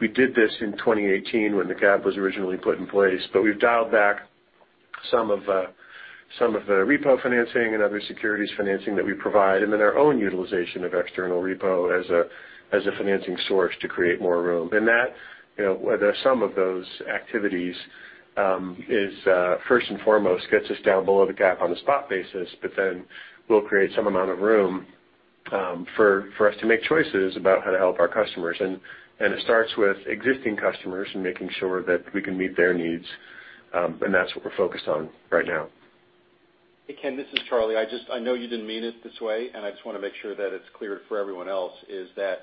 We did this in 2018 when the GAAP was originally put in place, but we've dialed back some of the repo financing and other securities financing that we provide, and then our own utilization of external repo as a financing source to create more room. The sum of those activities first and foremost gets us down below the GAAP on a spot basis, but then we'll create some amount of room for us to make choices about how to help our customers. It starts with existing customers and making sure that we can meet their needs. That's what we're focused on right now. Hey, Ken, this is Charlie. I know you didn't mean it this way. I just want to make sure that it's clear for everyone else, is that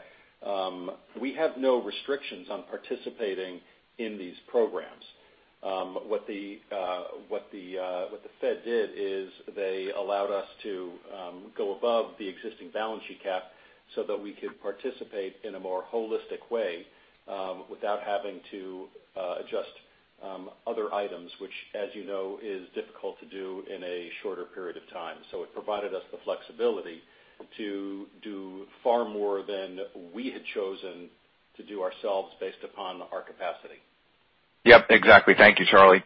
we have no restrictions on participating in these programs. What the Fed did is they allowed us to go above the existing balance sheet cap so that we could participate in a more holistic way without having to adjust other items, which, as you know, is difficult to do in a shorter period of time. It provided us the flexibility to do far more than we had chosen to do ourselves based upon our capacity. Yep, exactly. Thank you, Charlie.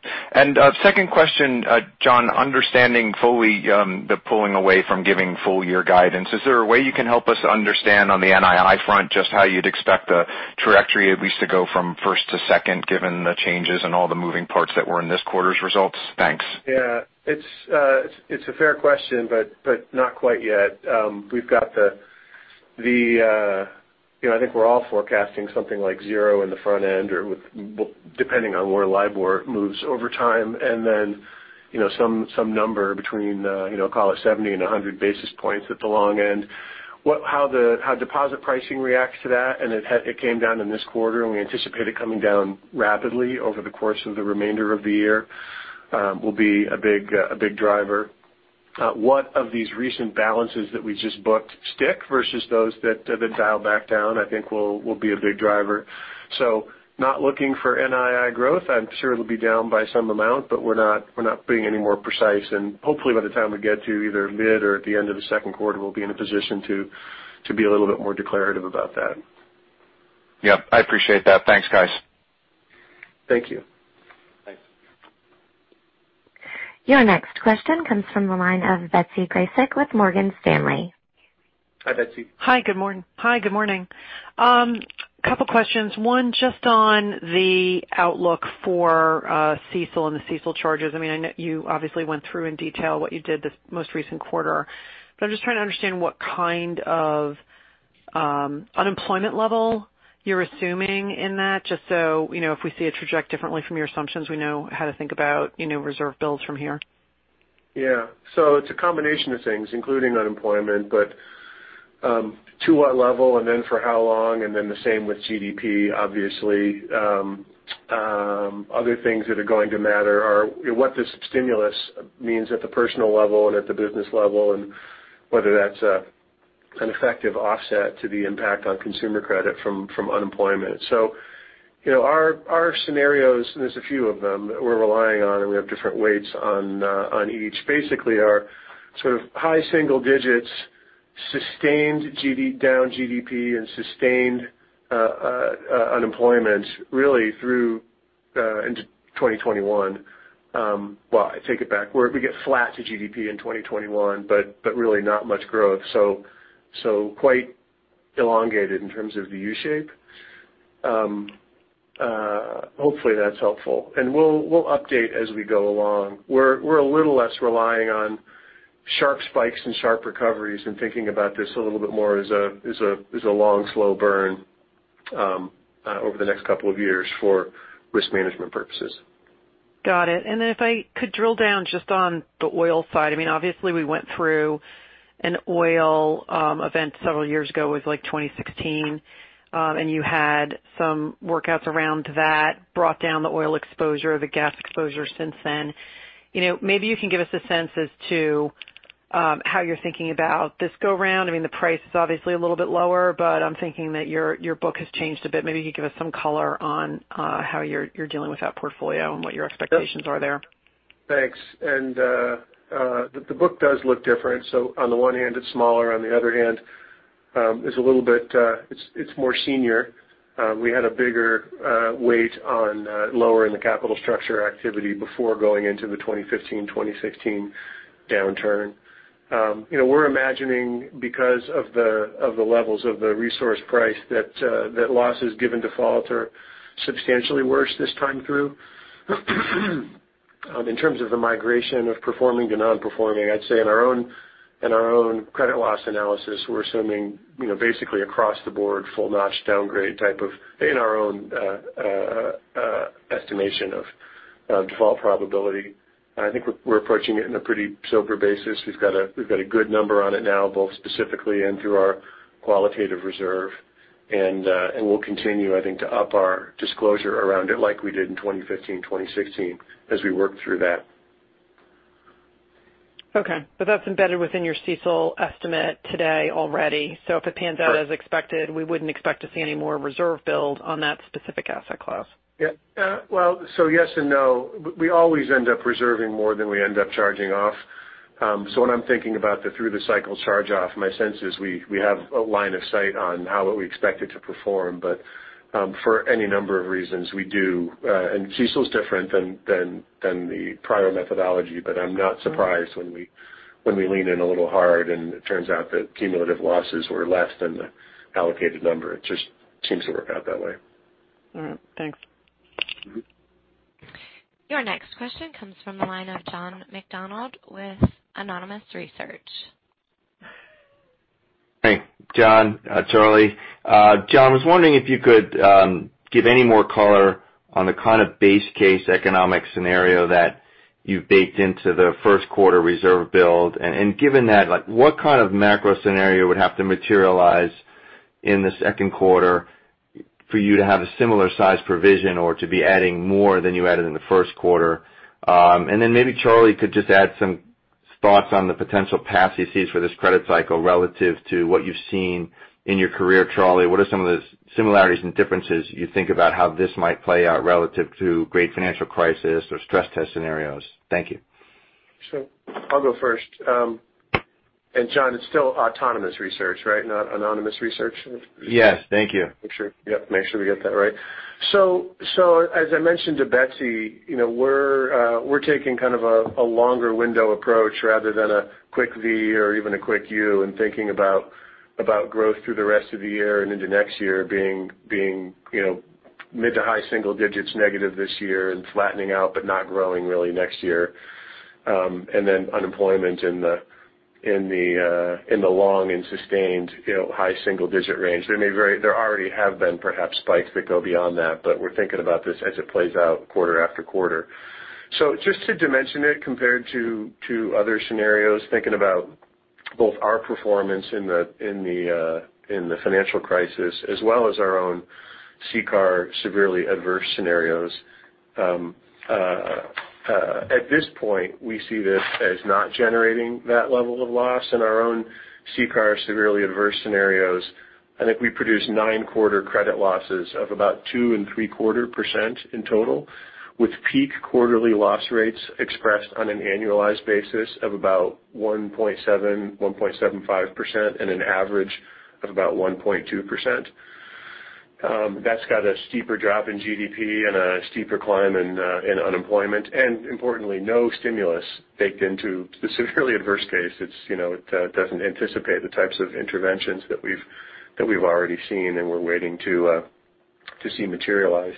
Second question, John. Understanding fully the pulling away from giving full-year guidance, is there a way you can help us understand on the NII front just how you'd expect the trajectory at least to go from first to second, given the changes and all the moving parts that were in this quarter's results? Thanks. Yeah. It's a fair question, but not quite yet. I think we're all forecasting something like zero in the front end or depending on where LIBOR moves over time. Then some number between, call it 70 and 100 basis points at the long end. How deposit pricing reacts to that, and it came down in this quarter, and we anticipate it coming down rapidly over the course of the remainder of the year will be a big driver. What of these recent balances that we just booked stick versus those that dial back down, I think will be a big driver. Not looking for NII growth. I'm sure it'll be down by some amount, but we're not being any more precise, and hopefully by the time we get to either mid or at the end of the second quarter, we'll be in a position to be a little bit more declarative about that. Yep, I appreciate that. Thanks, guys. Thank you. Thanks. Your next question comes from the line of Betsy Graseck with Morgan Stanley. Hi, Betsy. Hi, good morning. Couple questions. One, just on the outlook for CECL and the CECL charges demand. I know you obviously went through in detail what you did this most recent quarter, but I'm just trying to understand what kind of unemployment level you're assuming in that, just so if we see it traject differently from your assumptions, we know how to think about reserve builds from here. It's a combination of things, including unemployment, but to what level and then for how long, and then the same with GDP, obviously. Other things that are going to matter are what this stimulus means at the personal level and at the business level, and whether that's an effective offset to the impact on consumer credit from unemployment. Our scenarios, and there's a few of them that we're relying on, and we have different weights on each, basically are sort of high single digits, sustained down GDP, and sustained unemployment really through into 2021. Well, I take it back. We get flat to GDP in 2021, but really not much growth. Quite elongated in terms of the U shape. Hopefully, that's helpful. We'll update as we go along. We're a little less relying on sharp spikes and sharp recoveries and thinking about this a little bit more as a long slow burn over the next couple of years for risk management purposes. Got it. If I could drill down just on the oil side. Obviously, we went through an oil event several years ago. It was like 2016. You had some workouts around that, brought down the oil exposure, the gas exposure since then. Maybe you can give us a sense as to how you're thinking about this go around. The price is obviously a little bit lower, but I'm thinking that your book has changed a bit. Maybe you could give us some color on how you're dealing with that portfolio and what your expectations are there. Thanks. The book does look different. On the one hand, it's smaller. On the other hand, it's more senior. We had a bigger weight on lowering the capital structure activity before going into the 2015, 2016 downturn. We're imagining because of the levels of the resource price that losses given default are substantially worse this time through. In terms of the migration of performing to non-performing, I'd say in our own credit loss analysis, we're assuming basically across the board, full notch downgrade type of in our own estimation of default probability. I think we're approaching it in a pretty sober basis. We've got a good number on it now, both specifically and through our qualitative reserve. We'll continue, I think, to up our disclosure around it like we did in 2015, 2016 as we work through that. That's embedded within your CECL estimate today already. If it pans out as expected, we wouldn't expect to see any more reserve build on that specific asset class. Well, yes and no. We always end up reserving more than we end up charging off. When I'm thinking about the through the cycle charge off, my sense is we have a line of sight on how we expect it to perform. For any number of reasons, we do. CECL's different than the prior methodology. I'm not surprised when we lean in a little hard and it turns out that cumulative losses were less than the allocated number. It just seems to work out that way. All right, thanks. Your next question comes from the line of John McDonald with Anonymous Research. Hey, John. Charlie. John, I was wondering if you could give any more color on the kind of base case economic scenario that you've baked into the first quarter reserve build. Given that, what kind of macro scenario would have to materialize in the second quarter for you to have a similar size provision or to be adding more than you added in the first quarter? Then maybe Charlie could just add some thoughts on the potential paths you see for this credit cycle relative to what you've seen in your career. Charlie, what are some of the similarities and differences you think about how this might play out relative to great financial crisis or stress test scenarios? Thank you. Sure. I'll go first. John, it's still Autonomous Research, right? Not Anonymous Research? Yes. Thank you. Make sure. Yep, make sure we get that right. As I mentioned to Betsy, we're taking kind of a longer window approach rather than a quick V or even a quick U, and thinking about growth through the rest of the year and into next year being mid to high single-digits negative this year and flattening out, but not growing really next year. Then unemployment in the long and sustained high single-digit range. There already have been perhaps spikes that go beyond that, but we're thinking about this as it plays out quarter after quarter. Just to dimension it compared to other scenarios, thinking about both our performance in the financial crisis as well as our own CCAR severely adverse scenarios. At this point, we see this as not generating that level of loss in our own CCAR severely adverse scenarios. I think we produced nine quarter credit losses of about two and three quarter percent in total, with peak quarterly loss rates expressed on an annualized basis of about 1.7, 1.75%, and an average of about 1.2%. That's got a steeper drop in GDP and a steeper climb in unemployment. Importantly, no stimulus baked into the severely adverse case. It doesn't anticipate the types of interventions that we've already seen and we're waiting to see materialize.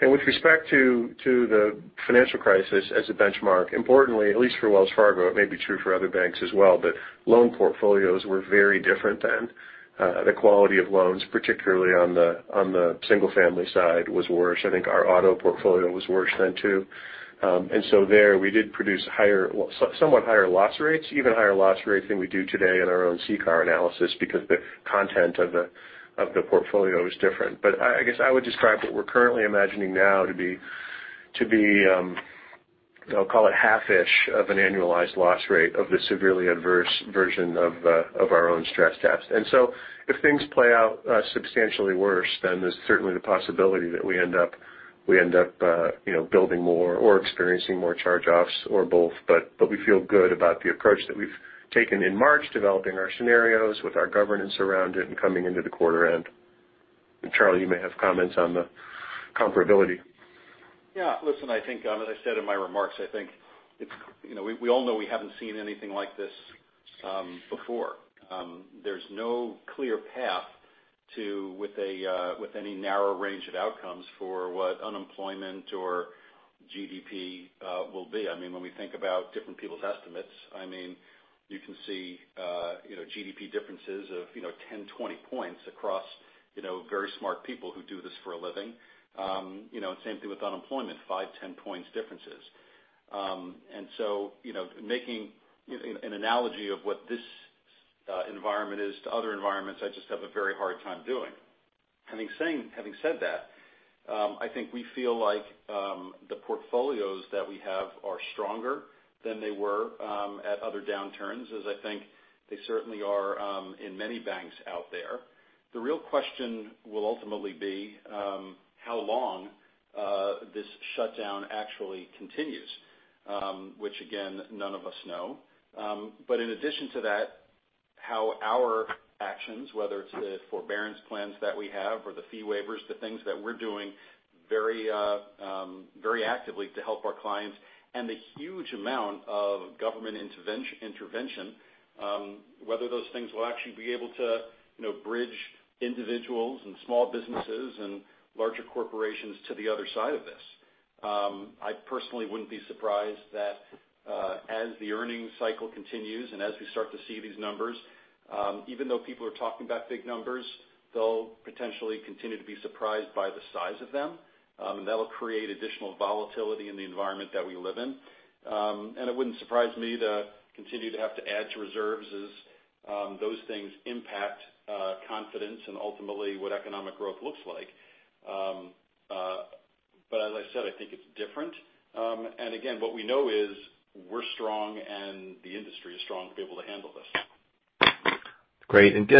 With respect to the financial crisis as a benchmark, importantly, at least for Wells Fargo, it may be true for other banks as well, but loan portfolios were very different then. The quality of loans, particularly on the single-family side, was worse. I think our auto portfolio was worse then, too. There we did produce somewhat higher loss rates, even higher loss rates than we do today in our own CCAR analysis because the content of the portfolio is different. I guess I would describe what we're currently imagining now to be I'll call it half-ish of an annualized loss rate of the severely adverse version of our own stress test. If things play out substantially worse, then there's certainly the possibility that we end up building more or experiencing more charge-offs or both. We feel good about the approach that we've taken in March, developing our scenarios with our governance around it and coming into the quarter end. Charlie, you may have comments on the comparability. Listen, as I said in my remarks, I think we all know we haven't seen anything like this before. There's no clear path with any narrow range of outcomes for what unemployment or GDP will be. When we think about different people's estimates, you can see GDP differences of 10, 20 points across very smart people who do this for a living. Same thing with unemployment, five, 10 points differences. So, making an analogy of what this environment is to other environments, I just have a very hard time doing. Having said that, I think we feel like the portfolios that we have are stronger than they were at other downturns, as I think they certainly are in many banks out there. The real question will ultimately be how long this shutdown actually continues, which again, none of us know. In addition to that, how our actions, whether it's the forbearance plans that we have or the fee waivers, the things that we're doing very actively to help our clients and the huge amount of government intervention, whether those things will actually be able to bridge individuals and small businesses and larger corporations to the other side of this. I personally wouldn't be surprised that as the earnings cycle continues, as we start to see these numbers, even though people are talking about big numbers, they'll potentially continue to be surprised by the size of them. That'll create additional volatility in the environment that we live in. It wouldn't surprise me to continue to have to add to reserves as those things impact confidence and ultimately what economic growth looks like. As I said, I think it's different. Again, what we know is we're strong and the industry is strong to be able to handle this.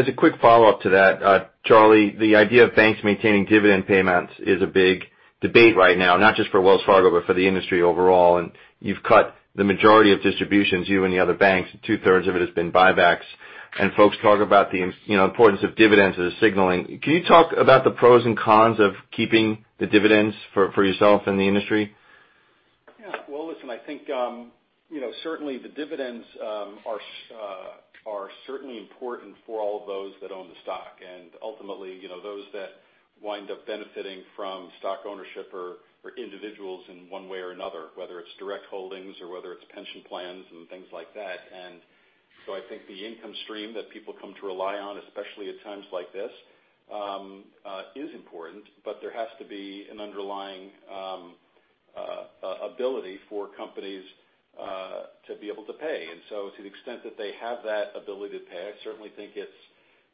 As a quick follow-up to that, Charlie, the idea of banks maintaining dividend payments is a big debate right now, not just for Wells Fargo, but for the industry overall, you've cut the majority of distributions, you and the other banks. Two-thirds of it has been buybacks. Folks talk about the importance of dividends as a signaling. Can you talk about the pros and cons of keeping the dividends for yourself and the industry? Yeah. Well, listen, I think, certainly the dividends are certainly important for all of those that own the stock. Ultimately, those that wind up benefiting from stock ownership are individuals in one way or another, whether it's direct holdings or whether it's pension plans and things like that. I think the income stream that people come to rely on, especially at times like this, is important, but there has to be an underlying ability for companies to be able to pay. To the extent that they have that ability to pay, I certainly think it's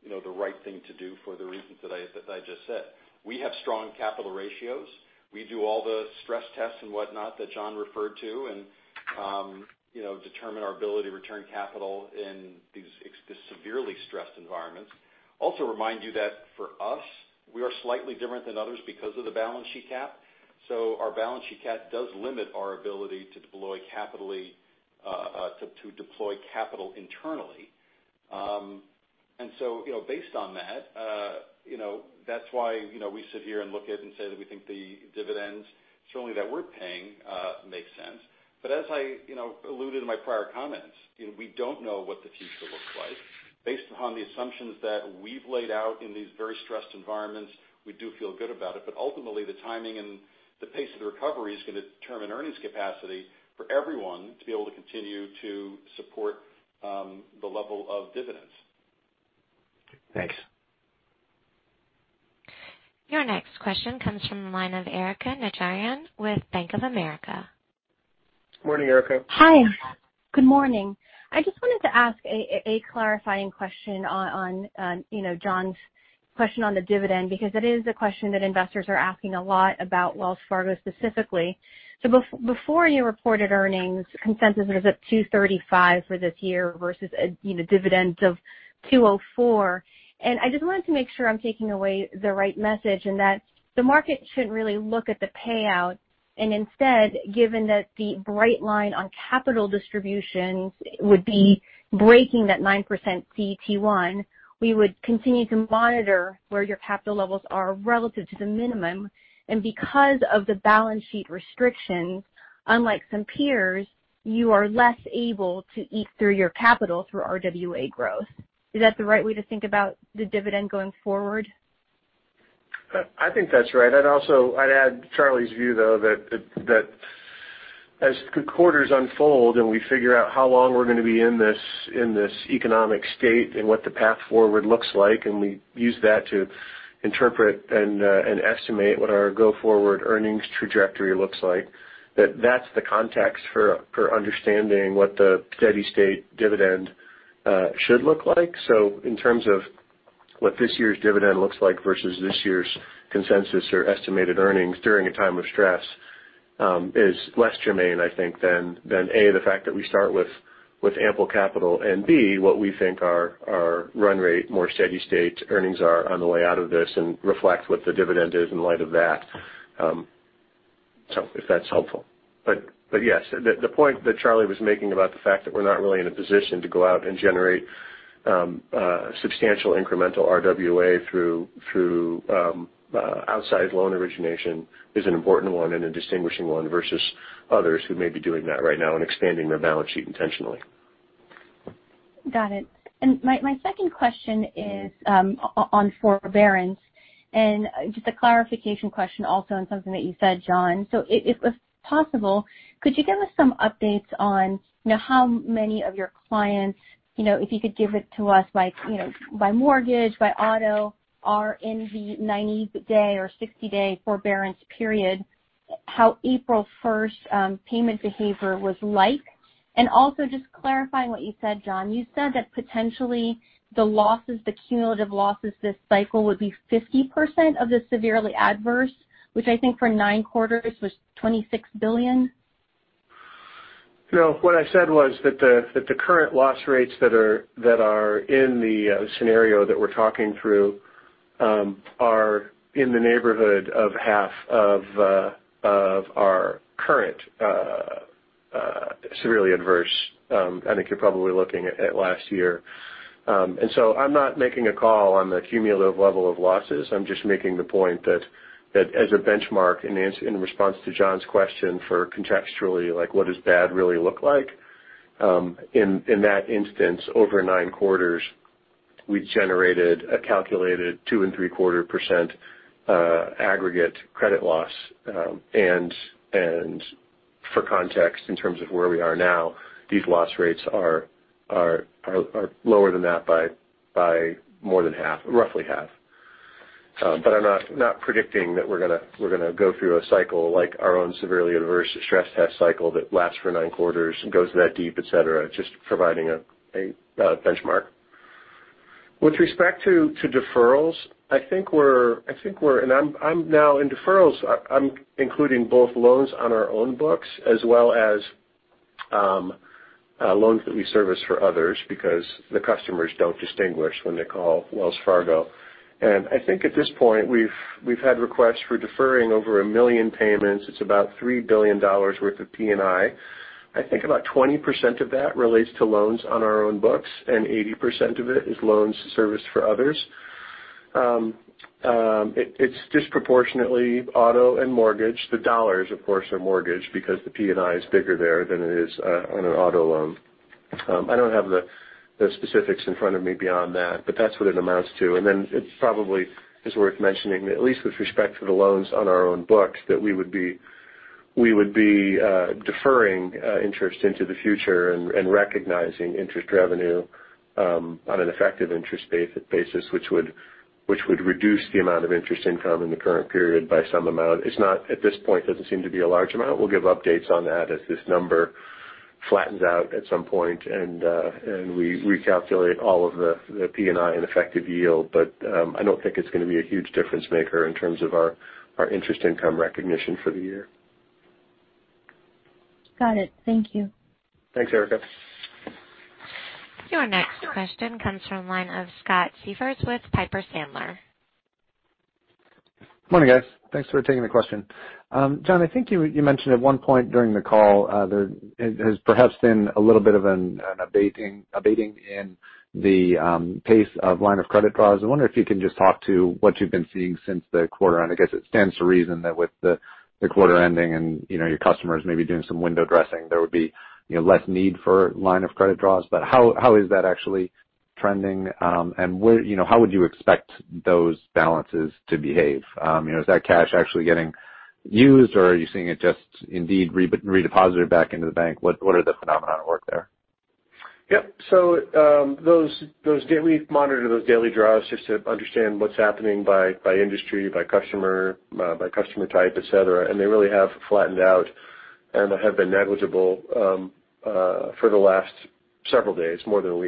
the right thing to do for the reasons that I just said. We have strong capital ratios. We do all the stress tests and whatnot that John referred to, and determine our ability to return capital in these severely stressed environments. Remind you that for us, we are slightly different than others because of the balance sheet cap. Our balance sheet cap does limit our ability to deploy capital internally. Based on that's why we sit here and look at and say that we think the dividends certainly that we're paying make sense. As I alluded in my prior comments, we don't know what the future looks like. Based upon the assumptions that we've laid out in these very stressed environments, we do feel good about it, but ultimately, the timing and the pace of the recovery is going to determine earnings capacity for everyone to be able to continue to support the level of dividends. Thanks. Your next question comes from the line of Erika Najarian with Bank of America. Morning, Erika. Hi. Good morning. I just wanted to ask a clarifying question on John's question on the dividend, because it is a question that investors are asking a lot about Wells Fargo specifically. Before you reported earnings, consensus was at $235 for this year versus a dividend of $204. I just wanted to make sure I'm taking away the right message and that the market shouldn't really look at the payout, and instead, given that the bright line on capital distributions would be breaking that 9% CET1, we would continue to monitor where your capital levels are relative to the minimum. Because of the balance sheet restrictions, unlike some peers, you are less able to eat through your capital through RWA growth. Is that the right way to think about the dividend going forward? I think that's right. I'd add Charlie's view, though, that as quarters unfold and we figure out how long we're going to be in this economic state and what the path forward looks like, and we use that to interpret and estimate what our go-forward earnings trajectory looks like, that that's the context for understanding what the steady state dividend should look like. In terms of what this year's dividend looks like versus this year's consensus or estimated earnings during a time of stress is less germane, I think, than A, the fact that we start with ample capital, and B, what we think our run rate, more steady state earnings are on the way out of this and reflect what the dividend is in light of that. If that's helpful. Yes, the point that Charlie was making about the fact that we're not really in a position to go out and generate substantial incremental RWA through outside loan origination is an important one and a distinguishing one versus others who may be doing that right now and expanding their balance sheet intentionally. Got it. My second question is on forbearance. Just a clarification question also on something that you said, John. If possible, could you give us some updates on how many of your clients, if you could give it to us by mortgage, by auto, are in the 90-day or 60-day forbearance period, how April 1st payment behavior was like? Also just clarifying what you said, John, you said that potentially the cumulative losses this cycle would be 50% of the severely adverse, which I think for nine quarters was $26 billion. No, what I said was that the current loss rates that are in the scenario that we're talking through are in the neighborhood of half of our current severely adverse. I think you're probably looking at last year. I'm not making a call on the cumulative level of losses. I'm just making the point that as a benchmark in response to John's question for contextually like what does bad really look like in that instance, over nine quarters. We've generated a calculated 2.75% aggregate credit loss. For context, in terms of where we are now, these loss rates are lower than that by more than half, roughly half. I'm not predicting that we're going to go through a cycle like our own severely adverse stress test cycle that lasts for nine quarters and goes that deep, et cetera. Just providing a benchmark. With respect to deferrals, and I'm now in deferrals, I'm including both loans on our own books as well as loans that we service for others because the customers don't distinguish when they call Wells Fargo. I think at this point, we've had requests for deferring over a million payments. It's about $3 billion worth of P&I. I think about 20% of that relates to loans on our own books, and 80% of it is loans serviced for others. It's disproportionately auto and mortgage. The dollars, of course, are mortgage because the P&I is bigger there than it is on an auto loan. I don't have the specifics in front of me beyond that, but that's what it amounts to. It probably is worth mentioning that at least with respect to the loans on our own books, that we would be deferring interest into the future and recognizing interest revenue on an effective interest basis, which would reduce the amount of interest income in the current period by some amount. At this point, doesn't seem to be a large amount. We'll give updates on that as this number flattens out at some point and we recalculate all of the P&I and effective yield. I don't think it's going to be a huge difference maker in terms of our interest income recognition for the year. Got it. Thank you. Thanks, Erika. Your next question comes from the line of Scott Siefers with Piper Sandler. Morning, guys. Thanks for taking the question. John, I think you mentioned at one point during the call, there has perhaps been a little bit of an abating in the pace of line of credit draws. I wonder if you can just talk to what you've been seeing since the quarter. I guess it stands to reason that with the quarter ending and your customers maybe doing some window dressing, there would be less need for line of credit draws. How is that actually trending? How would you expect those balances to behave? Is that cash actually getting used or are you seeing it just indeed redeposited back into the bank? What are the phenomenon at work there? Yep. We monitor those daily draws just to understand what's happening by industry, by customer type, et cetera. They really have flattened out and have been negligible for the last several days, more than a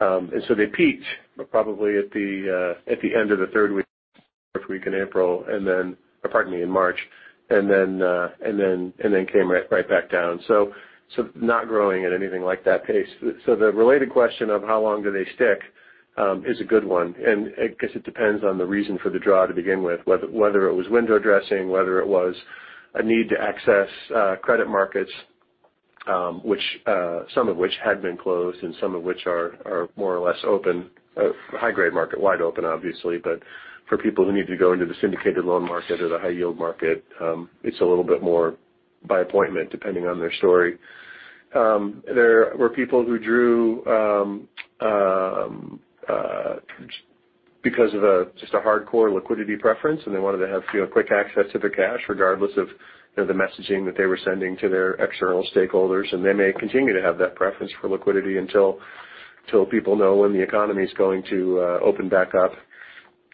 week. They peaked probably at the end of the third week, fourth week in April, and then pardon me, in March, and then came right back down. Not growing at anything like that pace. The related question of how long do they stick is a good one. I guess it depends on the reason for the draw to begin with, whether it was window dressing, whether it was a need to access credit markets which some of which had been closed and some of which are more or less open. High grade market, wide open obviously, but for people who need to go into the syndicated loan market or the high yield market, it's a little bit more by appointment depending on their story. There were people who drew because of just a hardcore liquidity preference, and they wanted to have quick access to the cash regardless of the messaging that they were sending to their external stakeholders. They may continue to have that preference for liquidity until people know when the economy's going to open back up,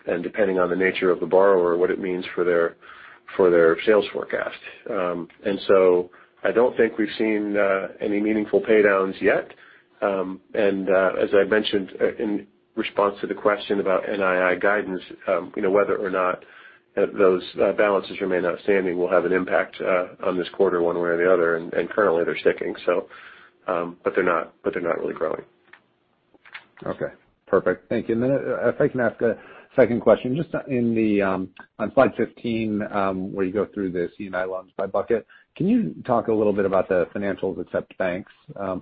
and depending on the nature of the borrower, what it means for their sales forecast. I don't think we've seen any meaningful pay downs yet. As I mentioned in response to the question about NII guidance, whether or not those balances remain outstanding will have an impact on this quarter one way or the other. Currently they're sticking. They're not really growing. Okay. Perfect. Thank you. If I can ask a second question, just on slide 15 where you go through the C&I loans by bucket, can you talk a little bit about the financials except banks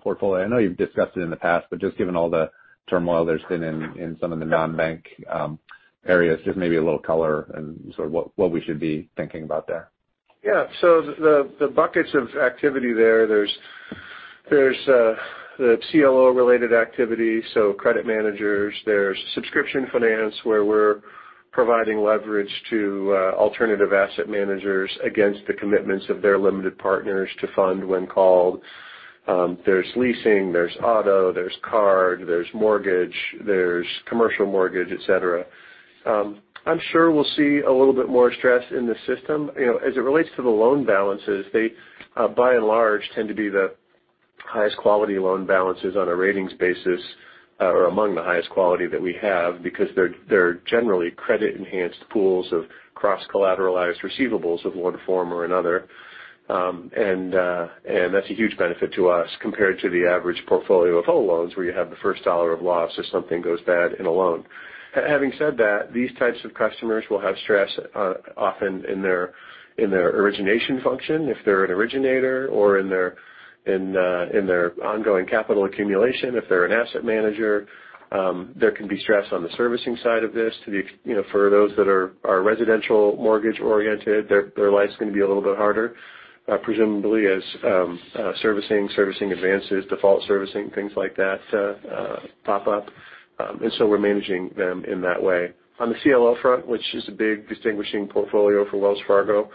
portfolio? I know you've discussed it in the past, but just given all the turmoil there's been in some of the non-bank areas, just maybe a little color and sort of what we should be thinking about there. The buckets of activity there's the CLO related activity, so credit managers. There's subscription finance where we're providing leverage to alternative asset managers against the commitments of their limited partners to fund when called. There's leasing, there's auto, there's card, there's mortgage, there's commercial mortgage, et cetera. I'm sure we'll see a little bit more stress in the system. As it relates to the loan balances, they by and large tend to be the highest quality loan balances on a ratings basis, or among the highest quality that we have because they're generally credit enhanced pools of cross-collateralized receivables of one form or another. That's a huge benefit to us compared to the average portfolio of whole loans where you have the first dollar of loss if something goes bad in a loan. These types of customers will have stress often in their origination function if they're an originator or in their ongoing capital accumulation. If they're an asset manager, there can be stress on the servicing side of this. For those that are residential mortgage oriented, their life's going to be a little bit harder, presumably as servicing advances, default servicing, things like that pop up. We're managing them in that way. On the CLO front, which is a big distinguishing portfolio for Wells Fargo.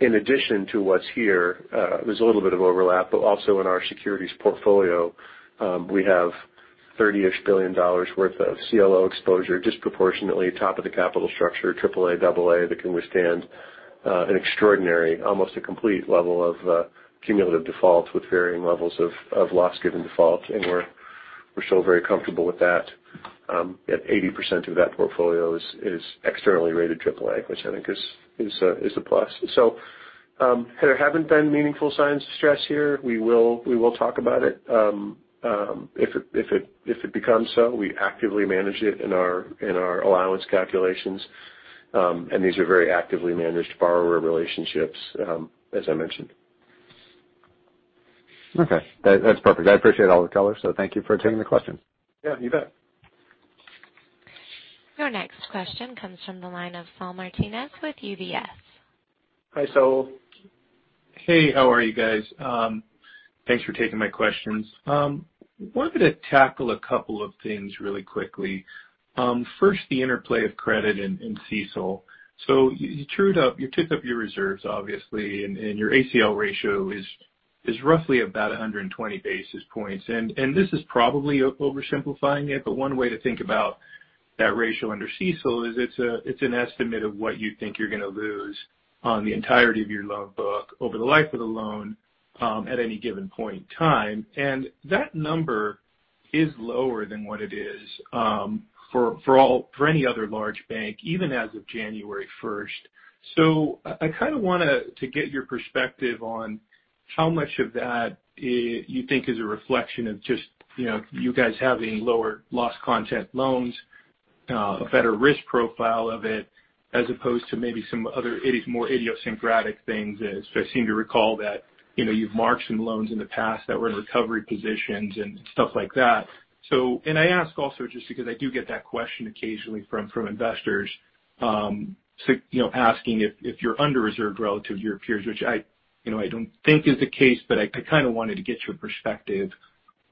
In addition to what's here, there's a little bit of overlap, but also in our securities portfolio, we have $30-ish billion worth of CLO exposure, disproportionately top of the capital structure, triple A, double A that can withstand an extraordinary, almost a complete level of cumulative defaults with varying levels of loss given defaults. We're still very comfortable with that. Yet 80% of that portfolio is externally rated triple A, which I think is a plus. There haven't been meaningful signs of stress here. We will talk about it if it becomes so. We actively manage it in our allowance calculations. These are very actively managed borrower relationships, as I mentioned. Okay. That's perfect. I appreciate all the color, so thank you for taking the question. Yeah, you bet. Your next question comes from the line of Saul Martinez with UBS. Hi, Saul. Hey, how are you guys? Thanks for taking my questions. Wanted to tackle a couple of things really quickly. First, the interplay of credit in CECL. You took up your reserves, obviously, and your ACL ratio is roughly about 120 basis points. This is probably oversimplifying it, but one way to think about that ratio under CECL is it's an estimate of what you think you're going to lose on the entirety of your loan book over the life of the loan, at any given point in time. That number is lower than what it is for any other large bank, even as of January 1st. I kind of want to get your perspective on how much of that you think is a reflection of just you guys having lower loss content loans, a better risk profile of it, as opposed to maybe some other more idiosyncratic things. I seem to recall that you've marked some loans in the past that were in recovery positions and stuff like that. I ask also just because I do get that question occasionally from investors, asking if you're under-reserved relative to your peers, which I don't think is the case, but I kind of wanted to get your perspective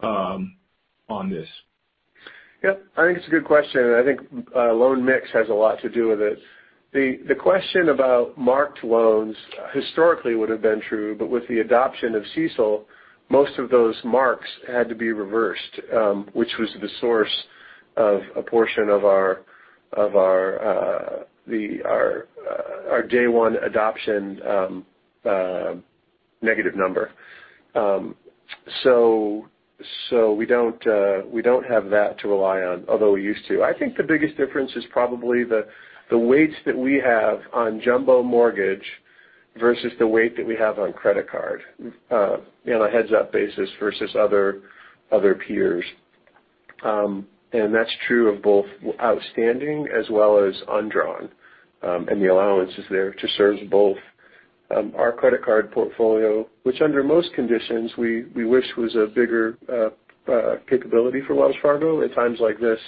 on this. Yep, I think it's a good question, and I think loan mix has a lot to do with it. The question about marked loans historically would've been true, but with the adoption of CECL, most of those marks had to be reversed, which was the source of a portion of our day one adoption negative number. We don't have that to rely on, although we used to. I think the biggest difference is probably the weights that we have on jumbo mortgage versus the weight that we have on credit card on a heads up basis versus other peers. That's true of both outstanding as well as undrawn. The allowance is there to serve both our credit card portfolio, which under most conditions we wish was a bigger capability for Wells Fargo. At times like this,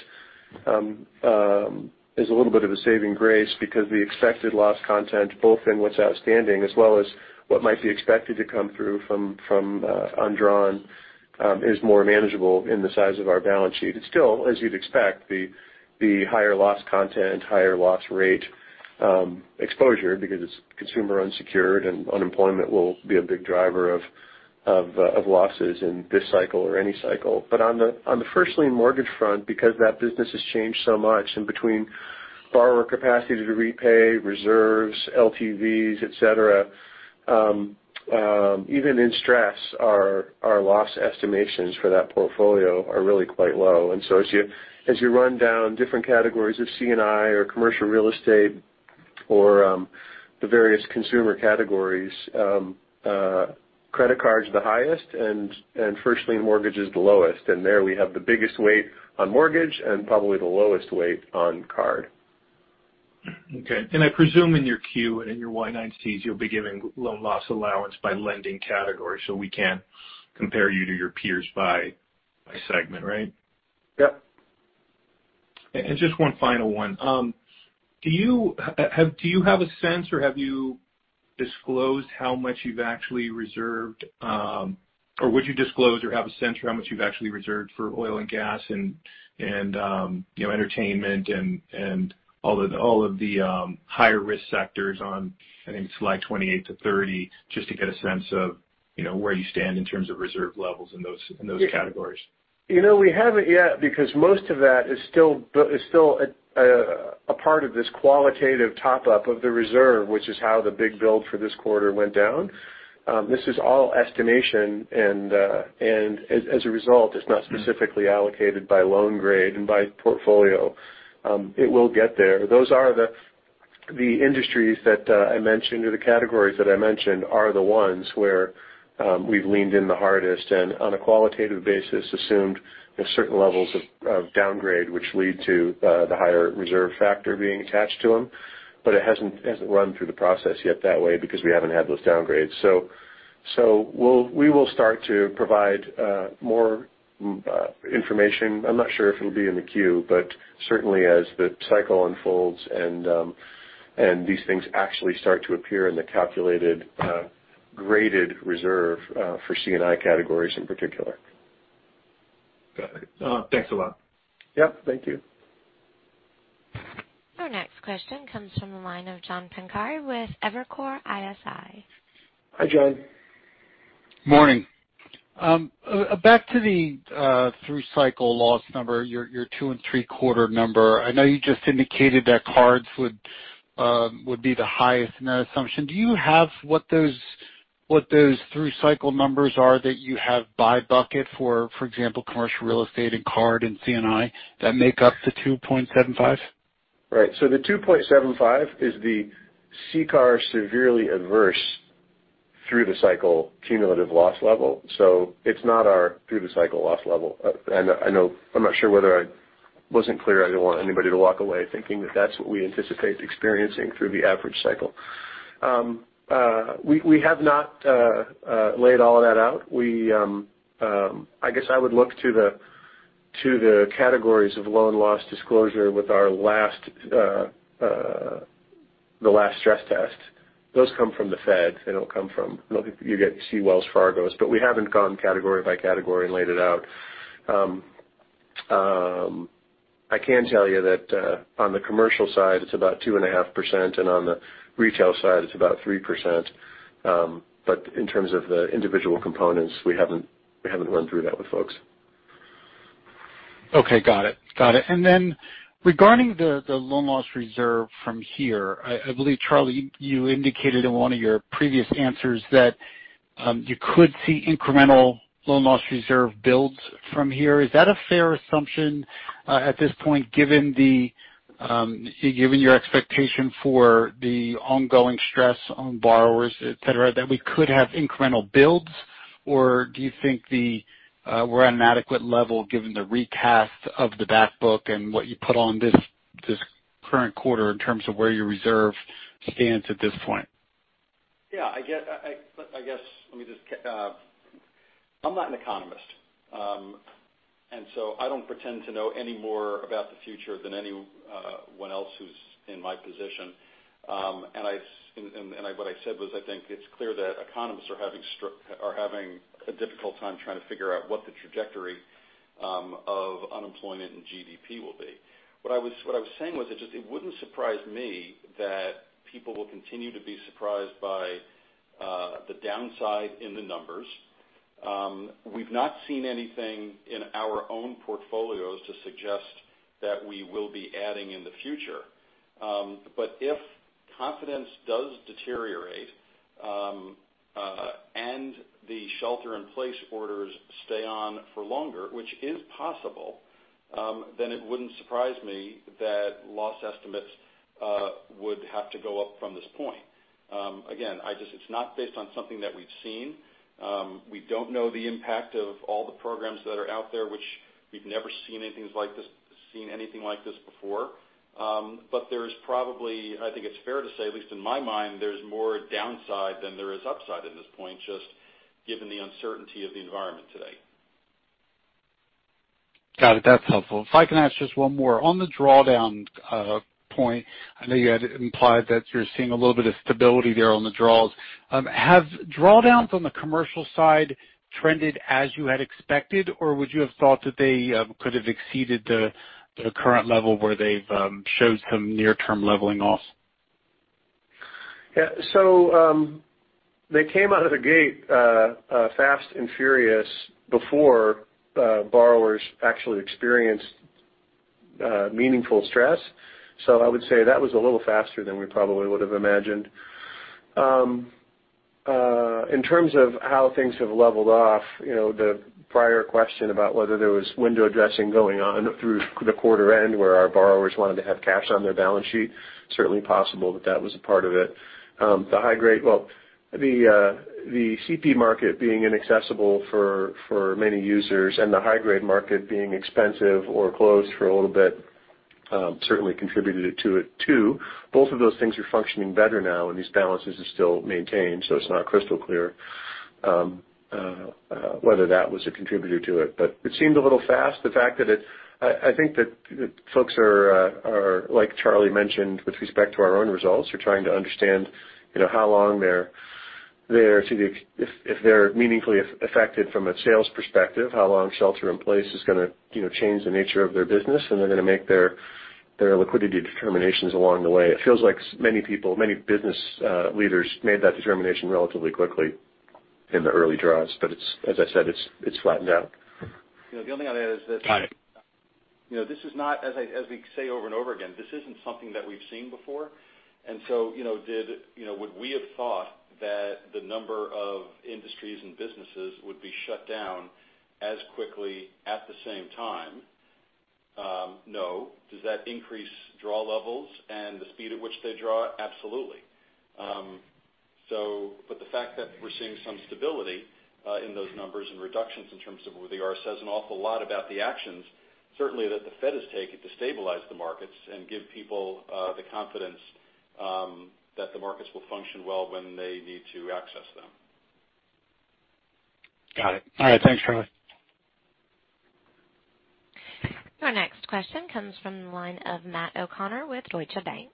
it is a little bit of a saving grace because the expected loss content, both in what's outstanding as well as what might be expected to come through from undrawn is more manageable in the size of our balance sheet. It's still, as you'd expect, the higher loss content, higher loss rate exposure because it's consumer unsecured and unemployment will be a big driver of losses in this cycle or any cycle. On the first lien mortgage front, because that business has changed so much in between borrower capacity to repay reserves, LTVs, et cetera, even in stress, our loss estimations for that portfolio are really quite low. As you run down different categories of C&I or commercial real estate or the various consumer categories, credit card's the highest and first lien mortgage is the lowest. There we have the biggest weight on mortgage and probably the lowest weight on card. Okay. I presume in your Q and your Y-9C, you'll be giving loan loss allowance by lending category, so we can't compare you to your peers by segment, right? Yep. Just one final one. Do you have a sense or have you disclosed how much you've actually reserved, or would you disclose or have a sense for how much you've actually reserved for oil and gas and entertainment and all of the higher risk sectors on, I think it's like 28 to 30, just to get a sense of where you stand in terms of reserve levels in those categories? We haven't yet because most of that is still a part of this qualitative top-up of the reserve, which is how the big build for this quarter went down. This is all estimation and as a result, it's not specifically allocated by loan grade and by portfolio. It will get there. Those are the industries that I mentioned, or the categories that I mentioned are the ones where we've leaned in the hardest and on a qualitative basis, assumed certain levels of downgrade, which lead to the higher reserve factor being attached to them. It hasn't run through the process yet that way because we haven't had those downgrades. We will start to provide more information. I'm not sure if it'll be in the Q, but certainly as the cycle unfolds and these things actually start to appear in the calculated graded reserve for C&I categories in particular. Got it. Thanks a lot. Yep, thank you. Our next question comes from the line of John Pancari with Evercore ISI. Hi, John. Morning. Back to the through cycle loss number, your two and three-quarter number. I know you just indicated that cards would be the highest in that assumption. Do you have what those through cycle numbers are that you have by bucket, for example, commercial real estate and card and C&I that make up the 2.75? Right. The 2.75 is the CCAR severely adverse through the cycle cumulative loss level. It's not our through the cycle loss level. I'm not sure whether I wasn't clear. I don't want anybody to walk away thinking that that's what we anticipate experiencing through the average cycle. We have not laid all of that out. I guess I would look to the categories of loan loss disclosure with the last stress test. Those come from the Fed. You see Wells Fargo's, but we haven't gone category by category and laid it out. I can tell you that on the commercial side it's about 2.5%, and on the retail side it's about 3%. In terms of the individual components, we haven't run through that with folks. Okay. Got it. Regarding the loan loss reserve from here, I believe, Charlie, you indicated in one of your previous answers that you could see incremental loan loss reserve builds from here. Is that a fair assumption at this point, given your expectation for the ongoing stress on borrowers, et cetera, that we could have incremental builds? Or do you think we're at an adequate level given the recast of the back book and what you put on this current quarter in terms of where your reserve stands at this point? Yeah. I'm not an economist. I don't pretend to know any more about the future than anyone else who's in my position. What I said was, I think it's clear that economists are having a difficult time trying to figure out what the trajectory of unemployment and GDP will be. What I was saying was it wouldn't surprise me that people will continue to be surprised by the downside in the numbers. We've not seen anything in our own portfolios to suggest that we will be adding in the future. If confidence does deteriorate, and the shelter in place orders stay on for longer, which is possible, then it wouldn't surprise me that loss estimates would have to go up from this point. Again, it's not based on something that we've seen. We don't know the impact of all the programs that are out there, which we've never seen anything like this before. There's probably, I think it's fair to say, at least in my mind, there's more downside than there is upside at this point, just given the uncertainty of the environment today. Got it. That's helpful. If I can ask just one more. On the drawdown point, I know you had implied that you're seeing a little bit of stability there on the draws. Have drawdowns on the commercial side trended as you had expected, or would you have thought that they could have exceeded the current level where they've showed some near term leveling off? Yeah. They came out of the gate fast and furious before borrowers actually experienced meaningful stress. I would say that was a little faster than we probably would have imagined. In terms of how things have leveled off, the prior question about whether there was window dressing going on through the quarter end where our borrowers wanted to have cash on their balance sheet, certainly possible that that was a part of it. The CP market being inaccessible for many users and the high-grade market being expensive or closed for a little bit certainly contributed to it too. Both of those things are functioning better now and these balances are still maintained, so it's not crystal clear whether that was a contributor to it. It seemed a little fast. I think that folks are, like Charlie mentioned with respect to our own results, are trying to understand if they're meaningfully affected from a sales perspective, how long shelter in place is going to change the nature of their business, and they're going to make their liquidity determinations along the way. It feels like many people, many business leaders made that determination relatively quickly in the early draws. As I said, it's flattened out. The only thing I'd add. Got it. This is not, as we say over and over again, this isn't something that we've seen before. Would we have thought that the number of industries and businesses would be shut down as quickly at the same time? No. Does that increase draw levels and the speed at which they draw? Absolutely. The fact that we're seeing some stability in those numbers and reductions in terms of where they are says an awful lot about the actions certainly that the Fed has taken to stabilize the markets and give people the confidence that the markets will function well when they need to access them. Got it. All right, thanks Charlie. Your next question comes from the line of Matt O'Connor with Deutsche Bank.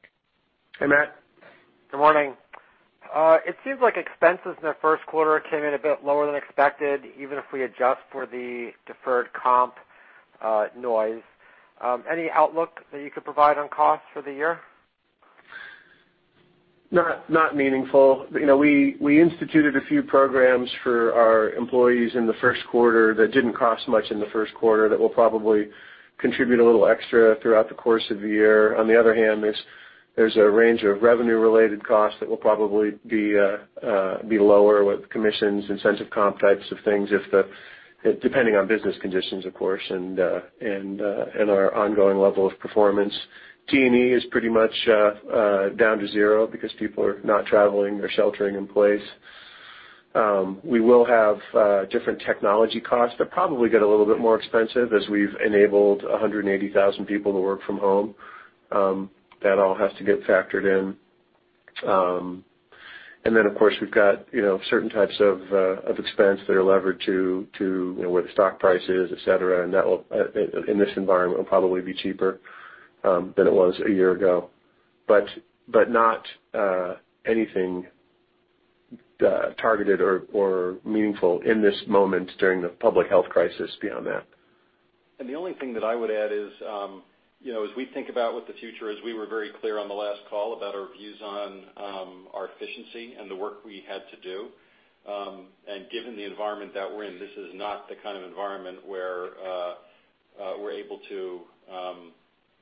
Hey, Matt. Good morning. It seems like expenses in the first quarter came in a bit lower than expected, even if we adjust for the deferred comp noise. Any outlook that you could provide on costs for the year? Not meaningful. We instituted a few programs for our employees in the first quarter that didn't cost much in the first quarter, that will probably contribute a little extra throughout the course of the year. There's a range of revenue-related costs that will probably be lower with commissions, incentive comp types of things, depending on business conditions, of course, and our ongoing level of performance. T&E is pretty much down to zero because people are not traveling. They're sheltering in place. We will have different technology costs that probably get a little bit more expensive as we've enabled 180,000 people to work from home. That all has to get factored in. Of course, we've got certain types of expense that are levered to what the stock price is, et cetera, and in this environment, will probably be cheaper than it was a year ago. Not anything targeted or meaningful in this moment during the public health crisis beyond that. The only thing that I would add is as we think about what the future is, we were very clear on the last call about our views on our efficiency and the work we had to do. Given the environment that we're in, this is not the kind of environment where we're able to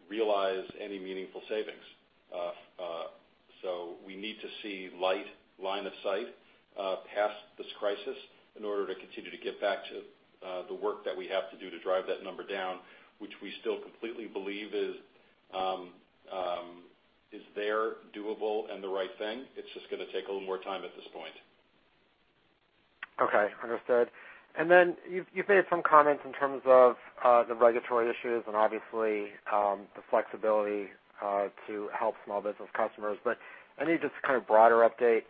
realize any meaningful savings. We need to see light line of sight past this crisis in order to continue to get back to the work that we have to do to drive that number down, which we still completely believe is there, doable, and the right thing. It's just going to take a little more time at this point. Okay. Understood. You've made some comments in terms of the regulatory issues and obviously the flexibility to help small business customers. I need just a kind of broader update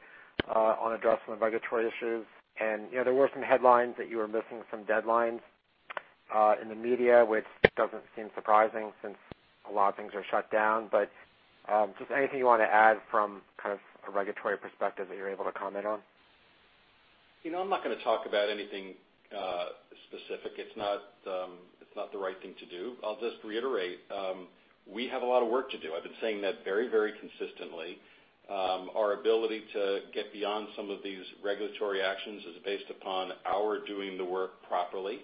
on addressing the regulatory issues. There were some headlines that you were missing some deadlines in the media, which doesn't seem surprising since a lot of things are shut down. Just anything you want to add from kind of a regulatory perspective that you're able to comment on? I'm not going to talk about anything specific. It's not the right thing to do. I'll just reiterate. We have a lot of work to do. I've been saying that very consistently. Our ability to get beyond some of these regulatory actions is based upon our doing the work properly.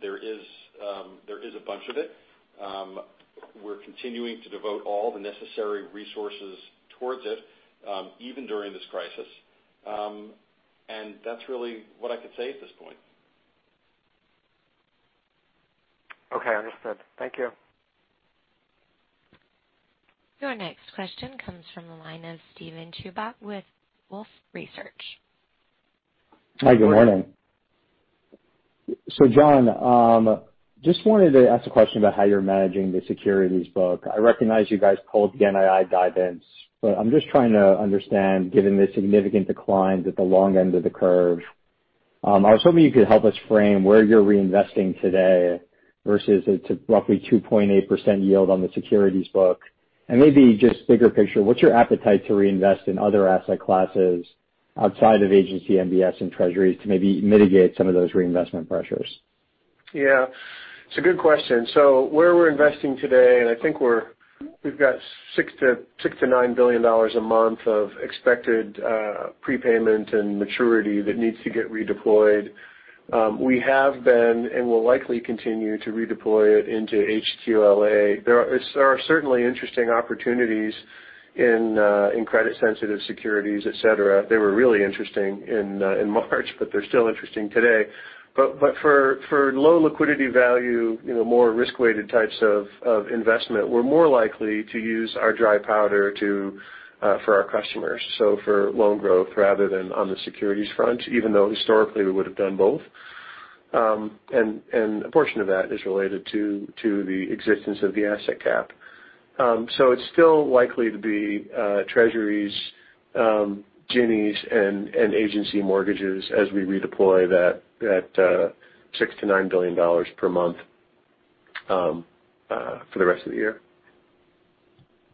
There is a bunch of it. We're continuing to devote all the necessary resources towards it even during this crisis. That's really what I could say at this point. Okay. Understood. Thank you. Your next question comes from the line of Steven Chubak with Wolfe Research. Hi, good morning. John, just wanted to ask a question about how you're managing the securities book. I recognize you guys pulled the NII guidance, but I'm just trying to understand, given the significant declines at the long end of the curve. I was hoping you could help us frame where you're reinvesting today versus it's a roughly 2.8% yield on the securities book. Maybe just bigger picture, what's your appetite to reinvest in other asset classes outside of agency MBS and Treasuries to maybe mitigate some of those reinvestment pressures? Yeah. It's a good question. Where we're investing today, I think we've got $6 billion-$9 billion a month of expected prepayment and maturity that needs to get redeployed. We have been and will likely continue to redeploy it into HQLA. There are certainly interesting opportunities in credit sensitive securities, et cetera. They were really interesting in March, they're still interesting today. For low liquidity value, more risk-weighted types of investment, we're more likely to use our dry powder for our customers. For loan growth rather than on the securities front, even though historically we would've done both. A portion of that is related to the existence of the asset cap. It's still likely to be Treasuries, Ginnies, and agency mortgages as we redeploy that $6 billion-$9 billion per month for the rest of the year.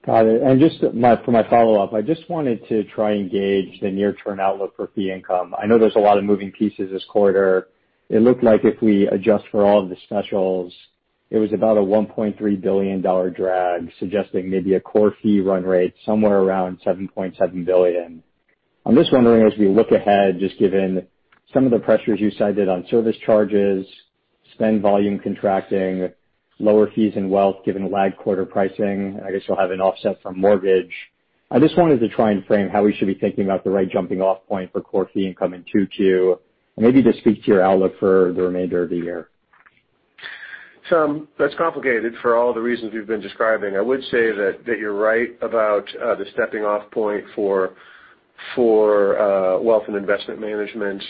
Got it. Just for my follow-up, I just wanted to try and gauge the near-term outlook for fee income. I know there's a lot of moving pieces this quarter. It looked like if we adjust for all of the specials, it was about a $1.3 billion drag suggesting maybe a core fee run rate somewhere around $7.7 billion. I'm just wondering as we look ahead, just given some of the pressures you cited on service charges, spend volume contracting, lower fees in wealth given lag quarter pricing, I guess you'll have an offset from mortgage. I just wanted to try and frame how we should be thinking about the right jumping off point for core fee income in 2Q, and maybe just speak to your outlook for the remainder of the year. That's complicated for all the reasons you've been describing. I would say that you're right about the stepping-off point for Wealth and Investment Management.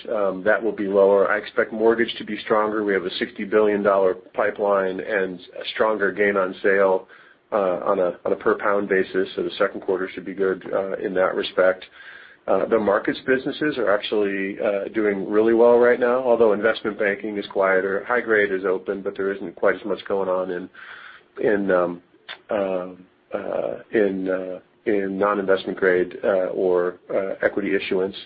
That will be lower. I expect mortgage to be stronger. We have a $60 billion pipeline and a stronger gain on sale on a per pound basis, so the second quarter should be good in that respect. The markets businesses are actually doing really well right now, although investment banking is quieter. High grade is open, but there isn't quite as much going on in non-investment grade or equity issuance.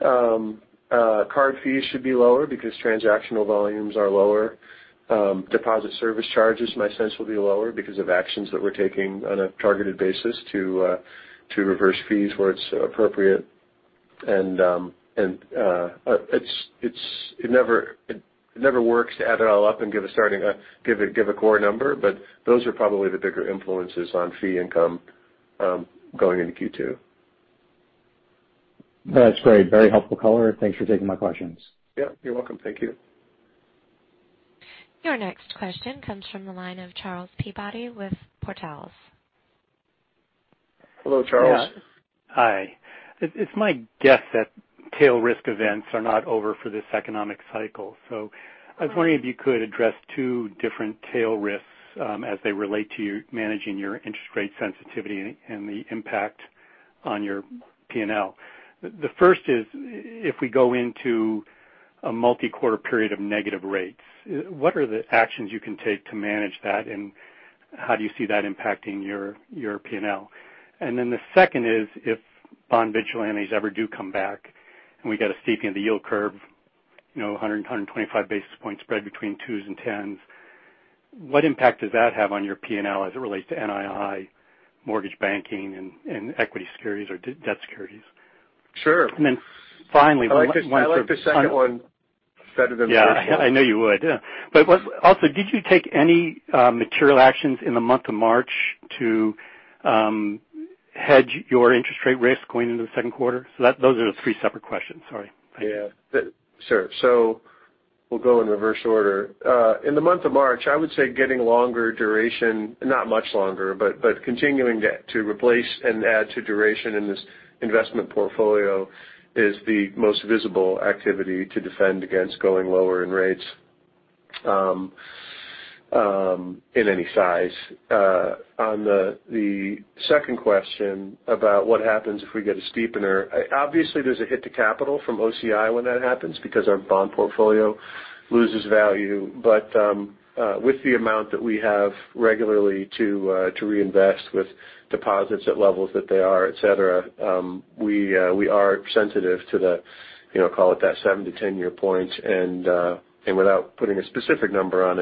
Card fees should be lower because transactional volumes are lower. Deposit service charges, my sense, will be lower because of actions that we're taking on a targeted basis to reverse fees where it's appropriate. It never works to add it all up and give a core number, but those are probably the bigger influences on fee income going into Q2. That's great. Very helpful color. Thanks for taking my questions. Yeah, you're welcome. Thank you. Your next question comes from the line of Charles Peabody with Portales. Hello, Charles. Yeah. Hi. It's my guess that tail risk events are not over for this economic cycle. I was wondering if you could address two different tail risks as they relate to managing your interest rate sensitivity and the impact on your P&L. The first is if we go into a multi-quarter period of negative rates, what are the actions you can take to manage that, and how do you see that impacting your P&L? The second is if bond vigilantes ever do come back and we get a steepening of the yield curve, 100, 125 basis point spread between twos and tens, what impact does that have on your P&L as it relates to NII, mortgage banking, and equity securities or debt securities? Sure. And then finally- I like the second one better than the first one. Yeah, I knew you would. Did you take any material actions in the month of March to hedge your interest rate risk going into the second quarter? Those are the three separate questions. Sorry. Yeah. Sure. We'll go in reverse order. In the month of March, I would say getting longer duration, not much longer, but continuing to replace and add to duration in this investment portfolio is the most visible activity to defend against going lower in rates in any size. On the second question about what happens if we get a steepener, obviously there's a hit to capital from OCI when that happens because our bond portfolio loses value. With the amount that we have regularly to reinvest with deposits at levels that they are, et cetera, we are sensitive to the, call it that 7 to 10-year point. Without putting a specific number on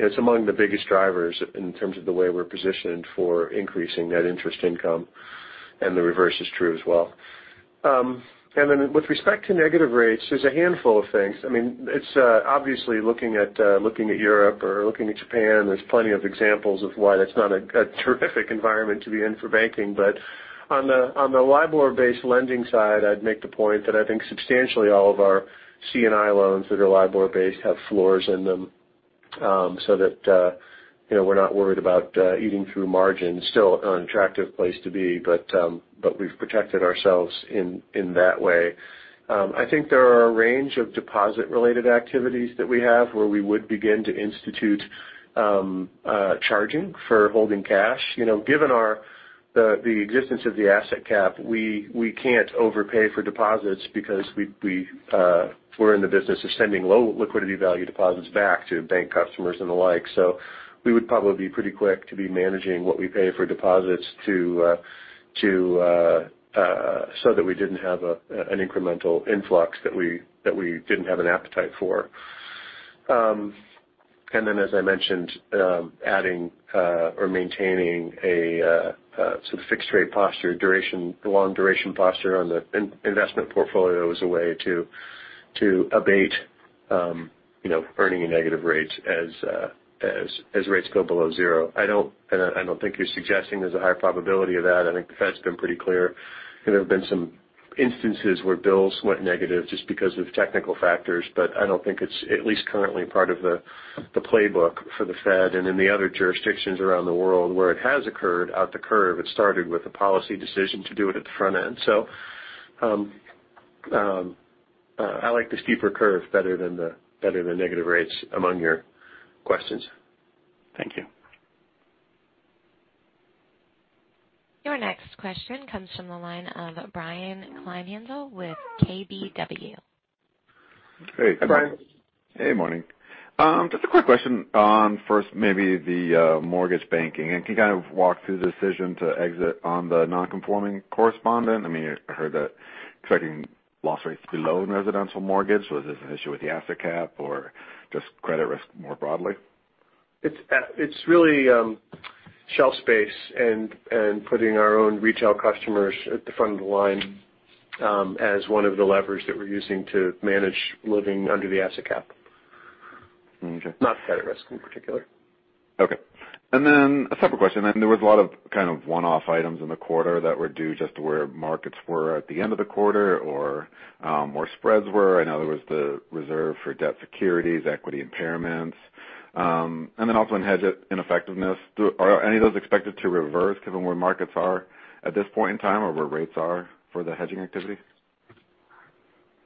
it's among the biggest drivers in terms of the way we're positioned for increasing net interest income, and the reverse is true as well. With respect to negative rates, there's a handful of things. It's obviously looking at Europe or looking at Japan, there's plenty of examples of why that's not a terrific environment to be in for banking. On the LIBOR-based lending side, I'd make the point that I think substantially all of our C&I loans that are LIBOR based have floors in them, so that we're not worried about eating through margins. Still an unattractive place to be, but we've protected ourselves in that way. I think there are a range of deposit-related activities that we have where we would begin to institute charging for holding cash. Given the existence of the asset cap, we can't overpay for deposits because we're in the business of sending low liquidity value deposits back to bank customers and the like. We would probably be pretty quick to be managing what we pay for deposits so that we didn't have an incremental influx that we didn't have an appetite for. As I mentioned, adding or maintaining a fixed rate posture, long duration posture on the investment portfolio is a way to abate earning negative rates as rates go below zero. I don't think you're suggesting there's a high probability of that. I think the Fed's been pretty clear. There have been some instances where bills went negative just because of technical factors. I don't think it's, at least currently, part of the playbook for the Fed. In the other jurisdictions around the world where it has occurred out the curve, it started with a policy decision to do it at the front end. I like the steeper curve better than negative rates among your questions. Thank you. Your next question comes from the line of Brian Kleinhanzl with KBW. Hey. Hi, Brian. Hey, morning. Just a quick question on first maybe the mortgage banking. Can you kind of walk through the decision to exit on the non-conforming correspondent? I heard that expecting loss rates below in residential mortgage. Was this an issue with the asset cap or just credit risk more broadly? It's really shelf space and putting our own retail customers at the front of the line as one of the levers that we're using to manage living under the asset cap. Okay. Not credit risk in particular. Okay. A separate question. There was a lot of one-off items in the quarter that were due just to where markets were at the end of the quarter or where spreads were. I know there was the reserve for debt securities, equity impairments, also in hedge ineffectiveness. Are any of those expected to reverse given where markets are at this point in time or where rates are for the hedging activity?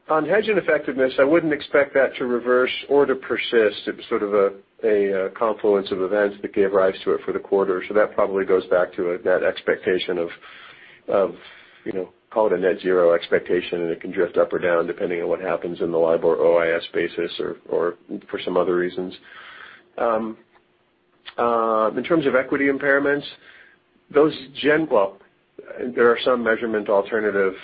On hedge ineffectiveness, I wouldn't expect that to reverse or to persist. It was sort of a confluence of events that gave rise to it for the quarter. That probably goes back to that expectation of call it a net zero expectation, and it can drift up or down depending on what happens in the LIBOR-OIS basis or for some other reasons. In terms of equity impairments, there are some measurement alternative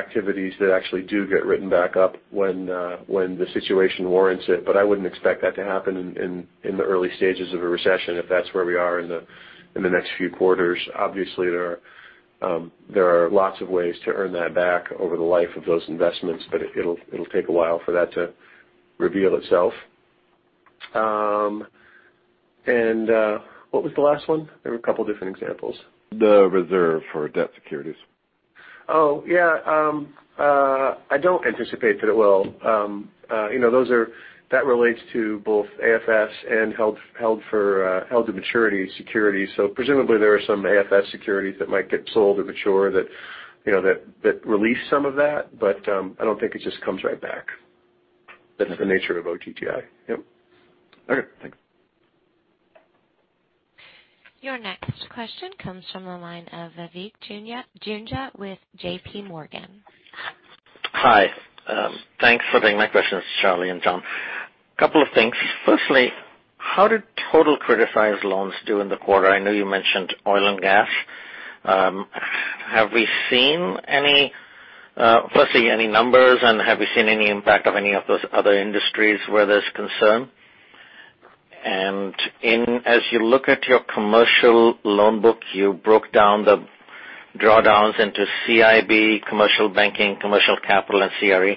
activities that actually do get written back up when the situation warrants it, but I wouldn't expect that to happen in the early stages of a recession, if that's where we are in the next few quarters. Obviously, there are lots of ways to earn that back over the life of those investments, but it'll take a while for that to reveal itself. What was the last one? There were a couple different examples. The reserve for debt securities. Yeah. I don't anticipate that it will. That relates to both AFS and held-to-maturity securities. Presumably there are some AFS securities that might get sold or mature that release some of that. I don't think it just comes right back. That's the nature of OTTI. Yep. Okay, thanks. Your next question comes from the line of Vivek Juneja with JPMorgan. Hi. Thanks for taking my questions, Charlie and John. Couple of things. Firstly, how did total criticized loans do in the quarter? I know you mentioned oil and gas. Have we seen any, firstly, any numbers, and have we seen any impact of any of those other industries where there's concern? As you look at your commercial loan book, you broke down the drawdowns into CIB, commercial banking, commercial capital, and CRE.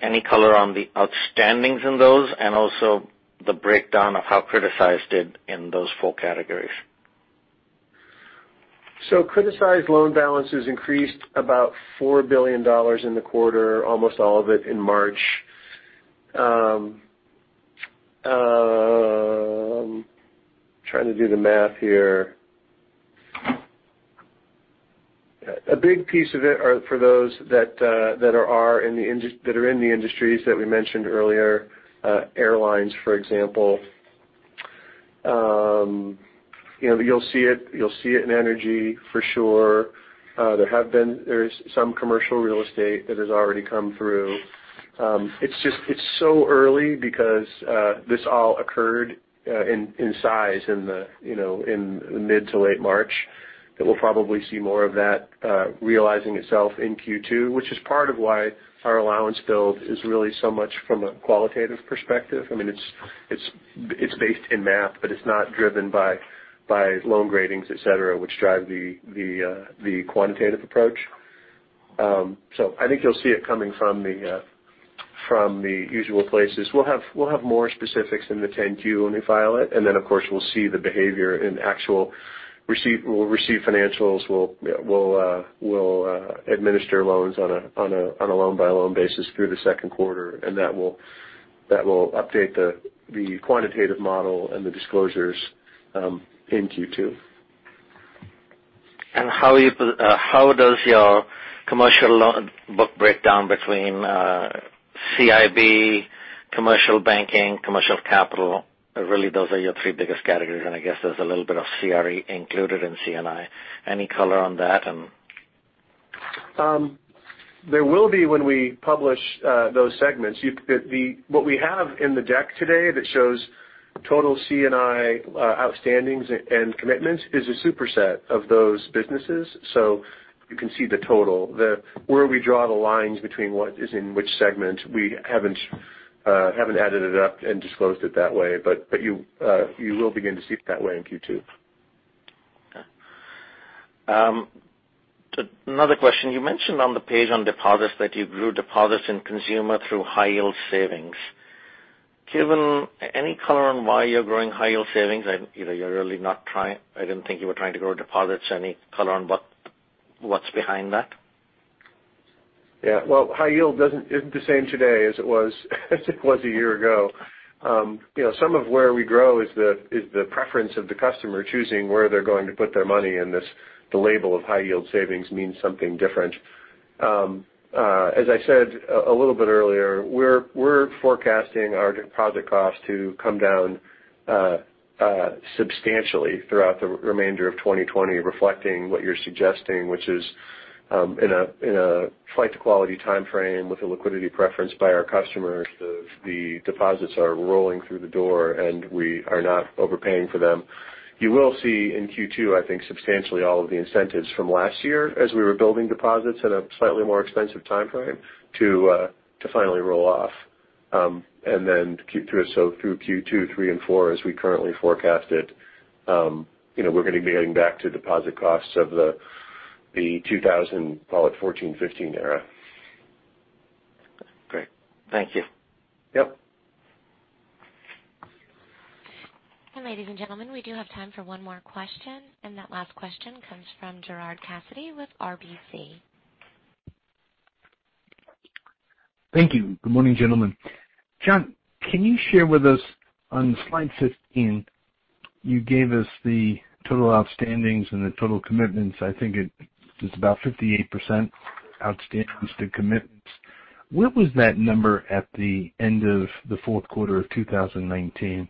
Any color on the outstandings in those and also the breakdown of how criticized did in those four categories? Criticized loan balances increased about $4 billion in the quarter, almost all of it in March. I'm trying to do the math here. A big piece of it are for those that are in the industries that we mentioned earlier. Airlines, for example. You'll see it in energy for sure. There's some commercial real estate that has already come through. It's so early because this all occurred in size in mid to late March that we'll probably see more of that realizing itself in Q2, which is part of why our allowance build is really so much from a qualitative perspective. It's based in math, but it's not driven by loan gradings, et cetera, which drive the quantitative approach. I think you'll see it coming from the usual places. We'll have more specifics in the 10-Q when we file it, and then of course, we'll see the behavior in actual receipt. We'll receive financials. We'll administer loans on a loan-by-loan basis through the second quarter, and that will update the quantitative model and the disclosures in Q2. How does your commercial loan book break down between CIB, commercial banking, commercial capital? Really those are your three biggest categories, and I guess there's a little bit of CRE included in C&I. Any color on that? There will be when we publish those segments. What we have in the deck today that shows total C&I outstandings and commitments is a superset of those businesses. You can see the total. Where we draw the lines between what is in which segment, we haven't added it up and disclosed it that way, but you will begin to see it that way in Q2. Okay. Another question. You mentioned on the page on deposits that you grew deposits in consumer through high yield savings. Any color on why you're growing high yield savings? I didn't think you were trying to grow deposits. Any color on what's behind that? Yeah. Well, high yield isn't the same today as it was a year ago. Some of where we grow is the preference of the customer choosing where they're going to put their money, and the label of high yield savings means something different. As I said a little bit earlier, we're forecasting our deposit costs to come down substantially throughout the remainder of 2020, reflecting what you're suggesting, which is in a flight-to-quality timeframe with a liquidity preference by our customers. The deposits are rolling through the door, and we are not overpaying for them. You will see in Q2, I think, substantially all of the incentives from last year as we were building deposits at a slightly more expensive timeframe to finally roll off. Through Q2, Q3, and Q4 as we currently forecast it we're going to be getting back to deposit costs of the 2000, call it 2014, 2015 era. Thank you. Yep. Ladies and gentlemen, we do have time for one more question. That last question comes from Gerard Cassidy with RBC. Thank you. Good morning, gentlemen. John, can you share with us on slide 15, you gave us the total outstandings and the total commitments. I think it is about 58% outstandings to commitments. What was that number at the end of the fourth quarter of 2019?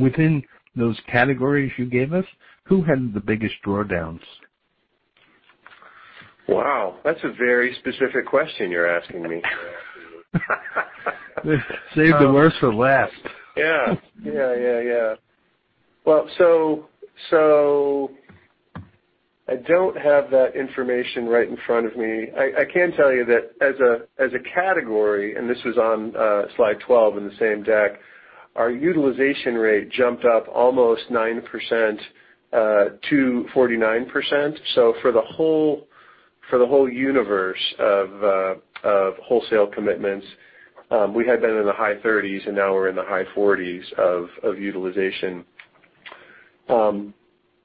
Within those categories you gave us, who had the biggest drawdowns? Wow, that's a very specific question you're asking me. Saved the worst for last. Yeah. Well, I don't have that information right in front of me. I can tell you that as a category, and this was on slide 12 in the same deck, our utilization rate jumped up almost 9%-49%. For the whole universe of wholesale commitments, we had been in the high 30s, and now we're in the high 40s of utilization. I'm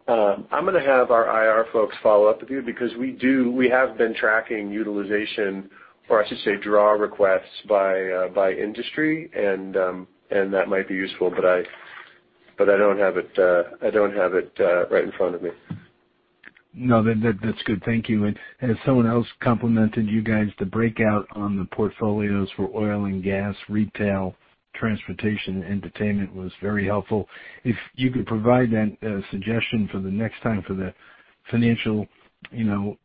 going to have our IR folks follow up with you because we have been tracking utilization, or I should say, draw requests by industry, and that might be useful. I don't have it right in front of me. No, that's good. Thank you. As someone else complimented you guys, the breakout on the portfolios for oil and gas, retail, transportation, entertainment was very helpful. If you could provide that suggestion for the next time for the financial,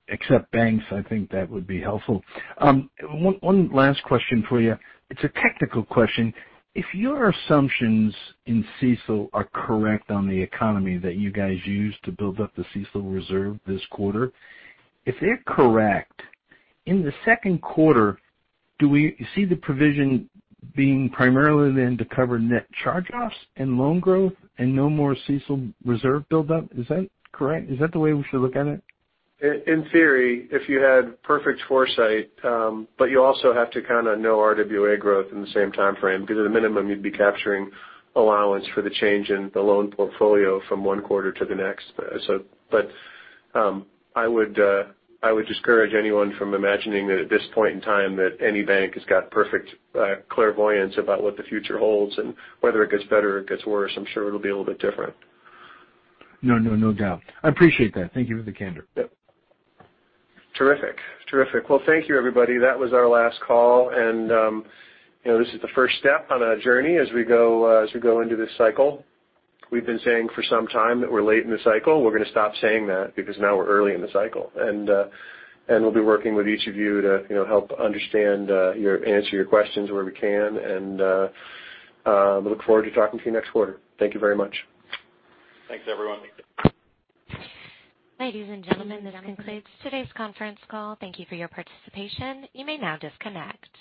except banks, I think that would be helpful. One last question for you. It's a technical question. If your assumptions in CECL are correct on the economy that you guys used to build up the CECL reserve this quarter, if they're correct, in the second quarter, do we see the provision being primarily then to cover net charge-offs and loan growth and no more CECL reserve buildup? Is that correct? Is that the way we should look at it? In theory, if you had perfect foresight, you also have to kind of know RWA growth in the same time frame because at a minimum you'd be capturing allowance for the change in the loan portfolio from one quarter to the next. I would discourage anyone from imagining that at this point in time that any bank has got perfect clairvoyance about what the future holds and whether it gets better or gets worse. I'm sure it'll be a little bit different. No doubt. I appreciate that. Thank you for the color. Yep. Terrific. Well, thank you everybody. That was our last call. This is the first step on a journey as we go into this cycle. We've been saying for some time that we're late in the cycle. We're going to stop saying that because now we're early in the cycle. We'll be working with each of you to help understand your answer, your questions where we can, and look forward to talking to you next quarter. Thank you very much. Thanks, everyone. Ladies and gentlemen, this concludes today's conference call. Thank you for your participation. You may now disconnect.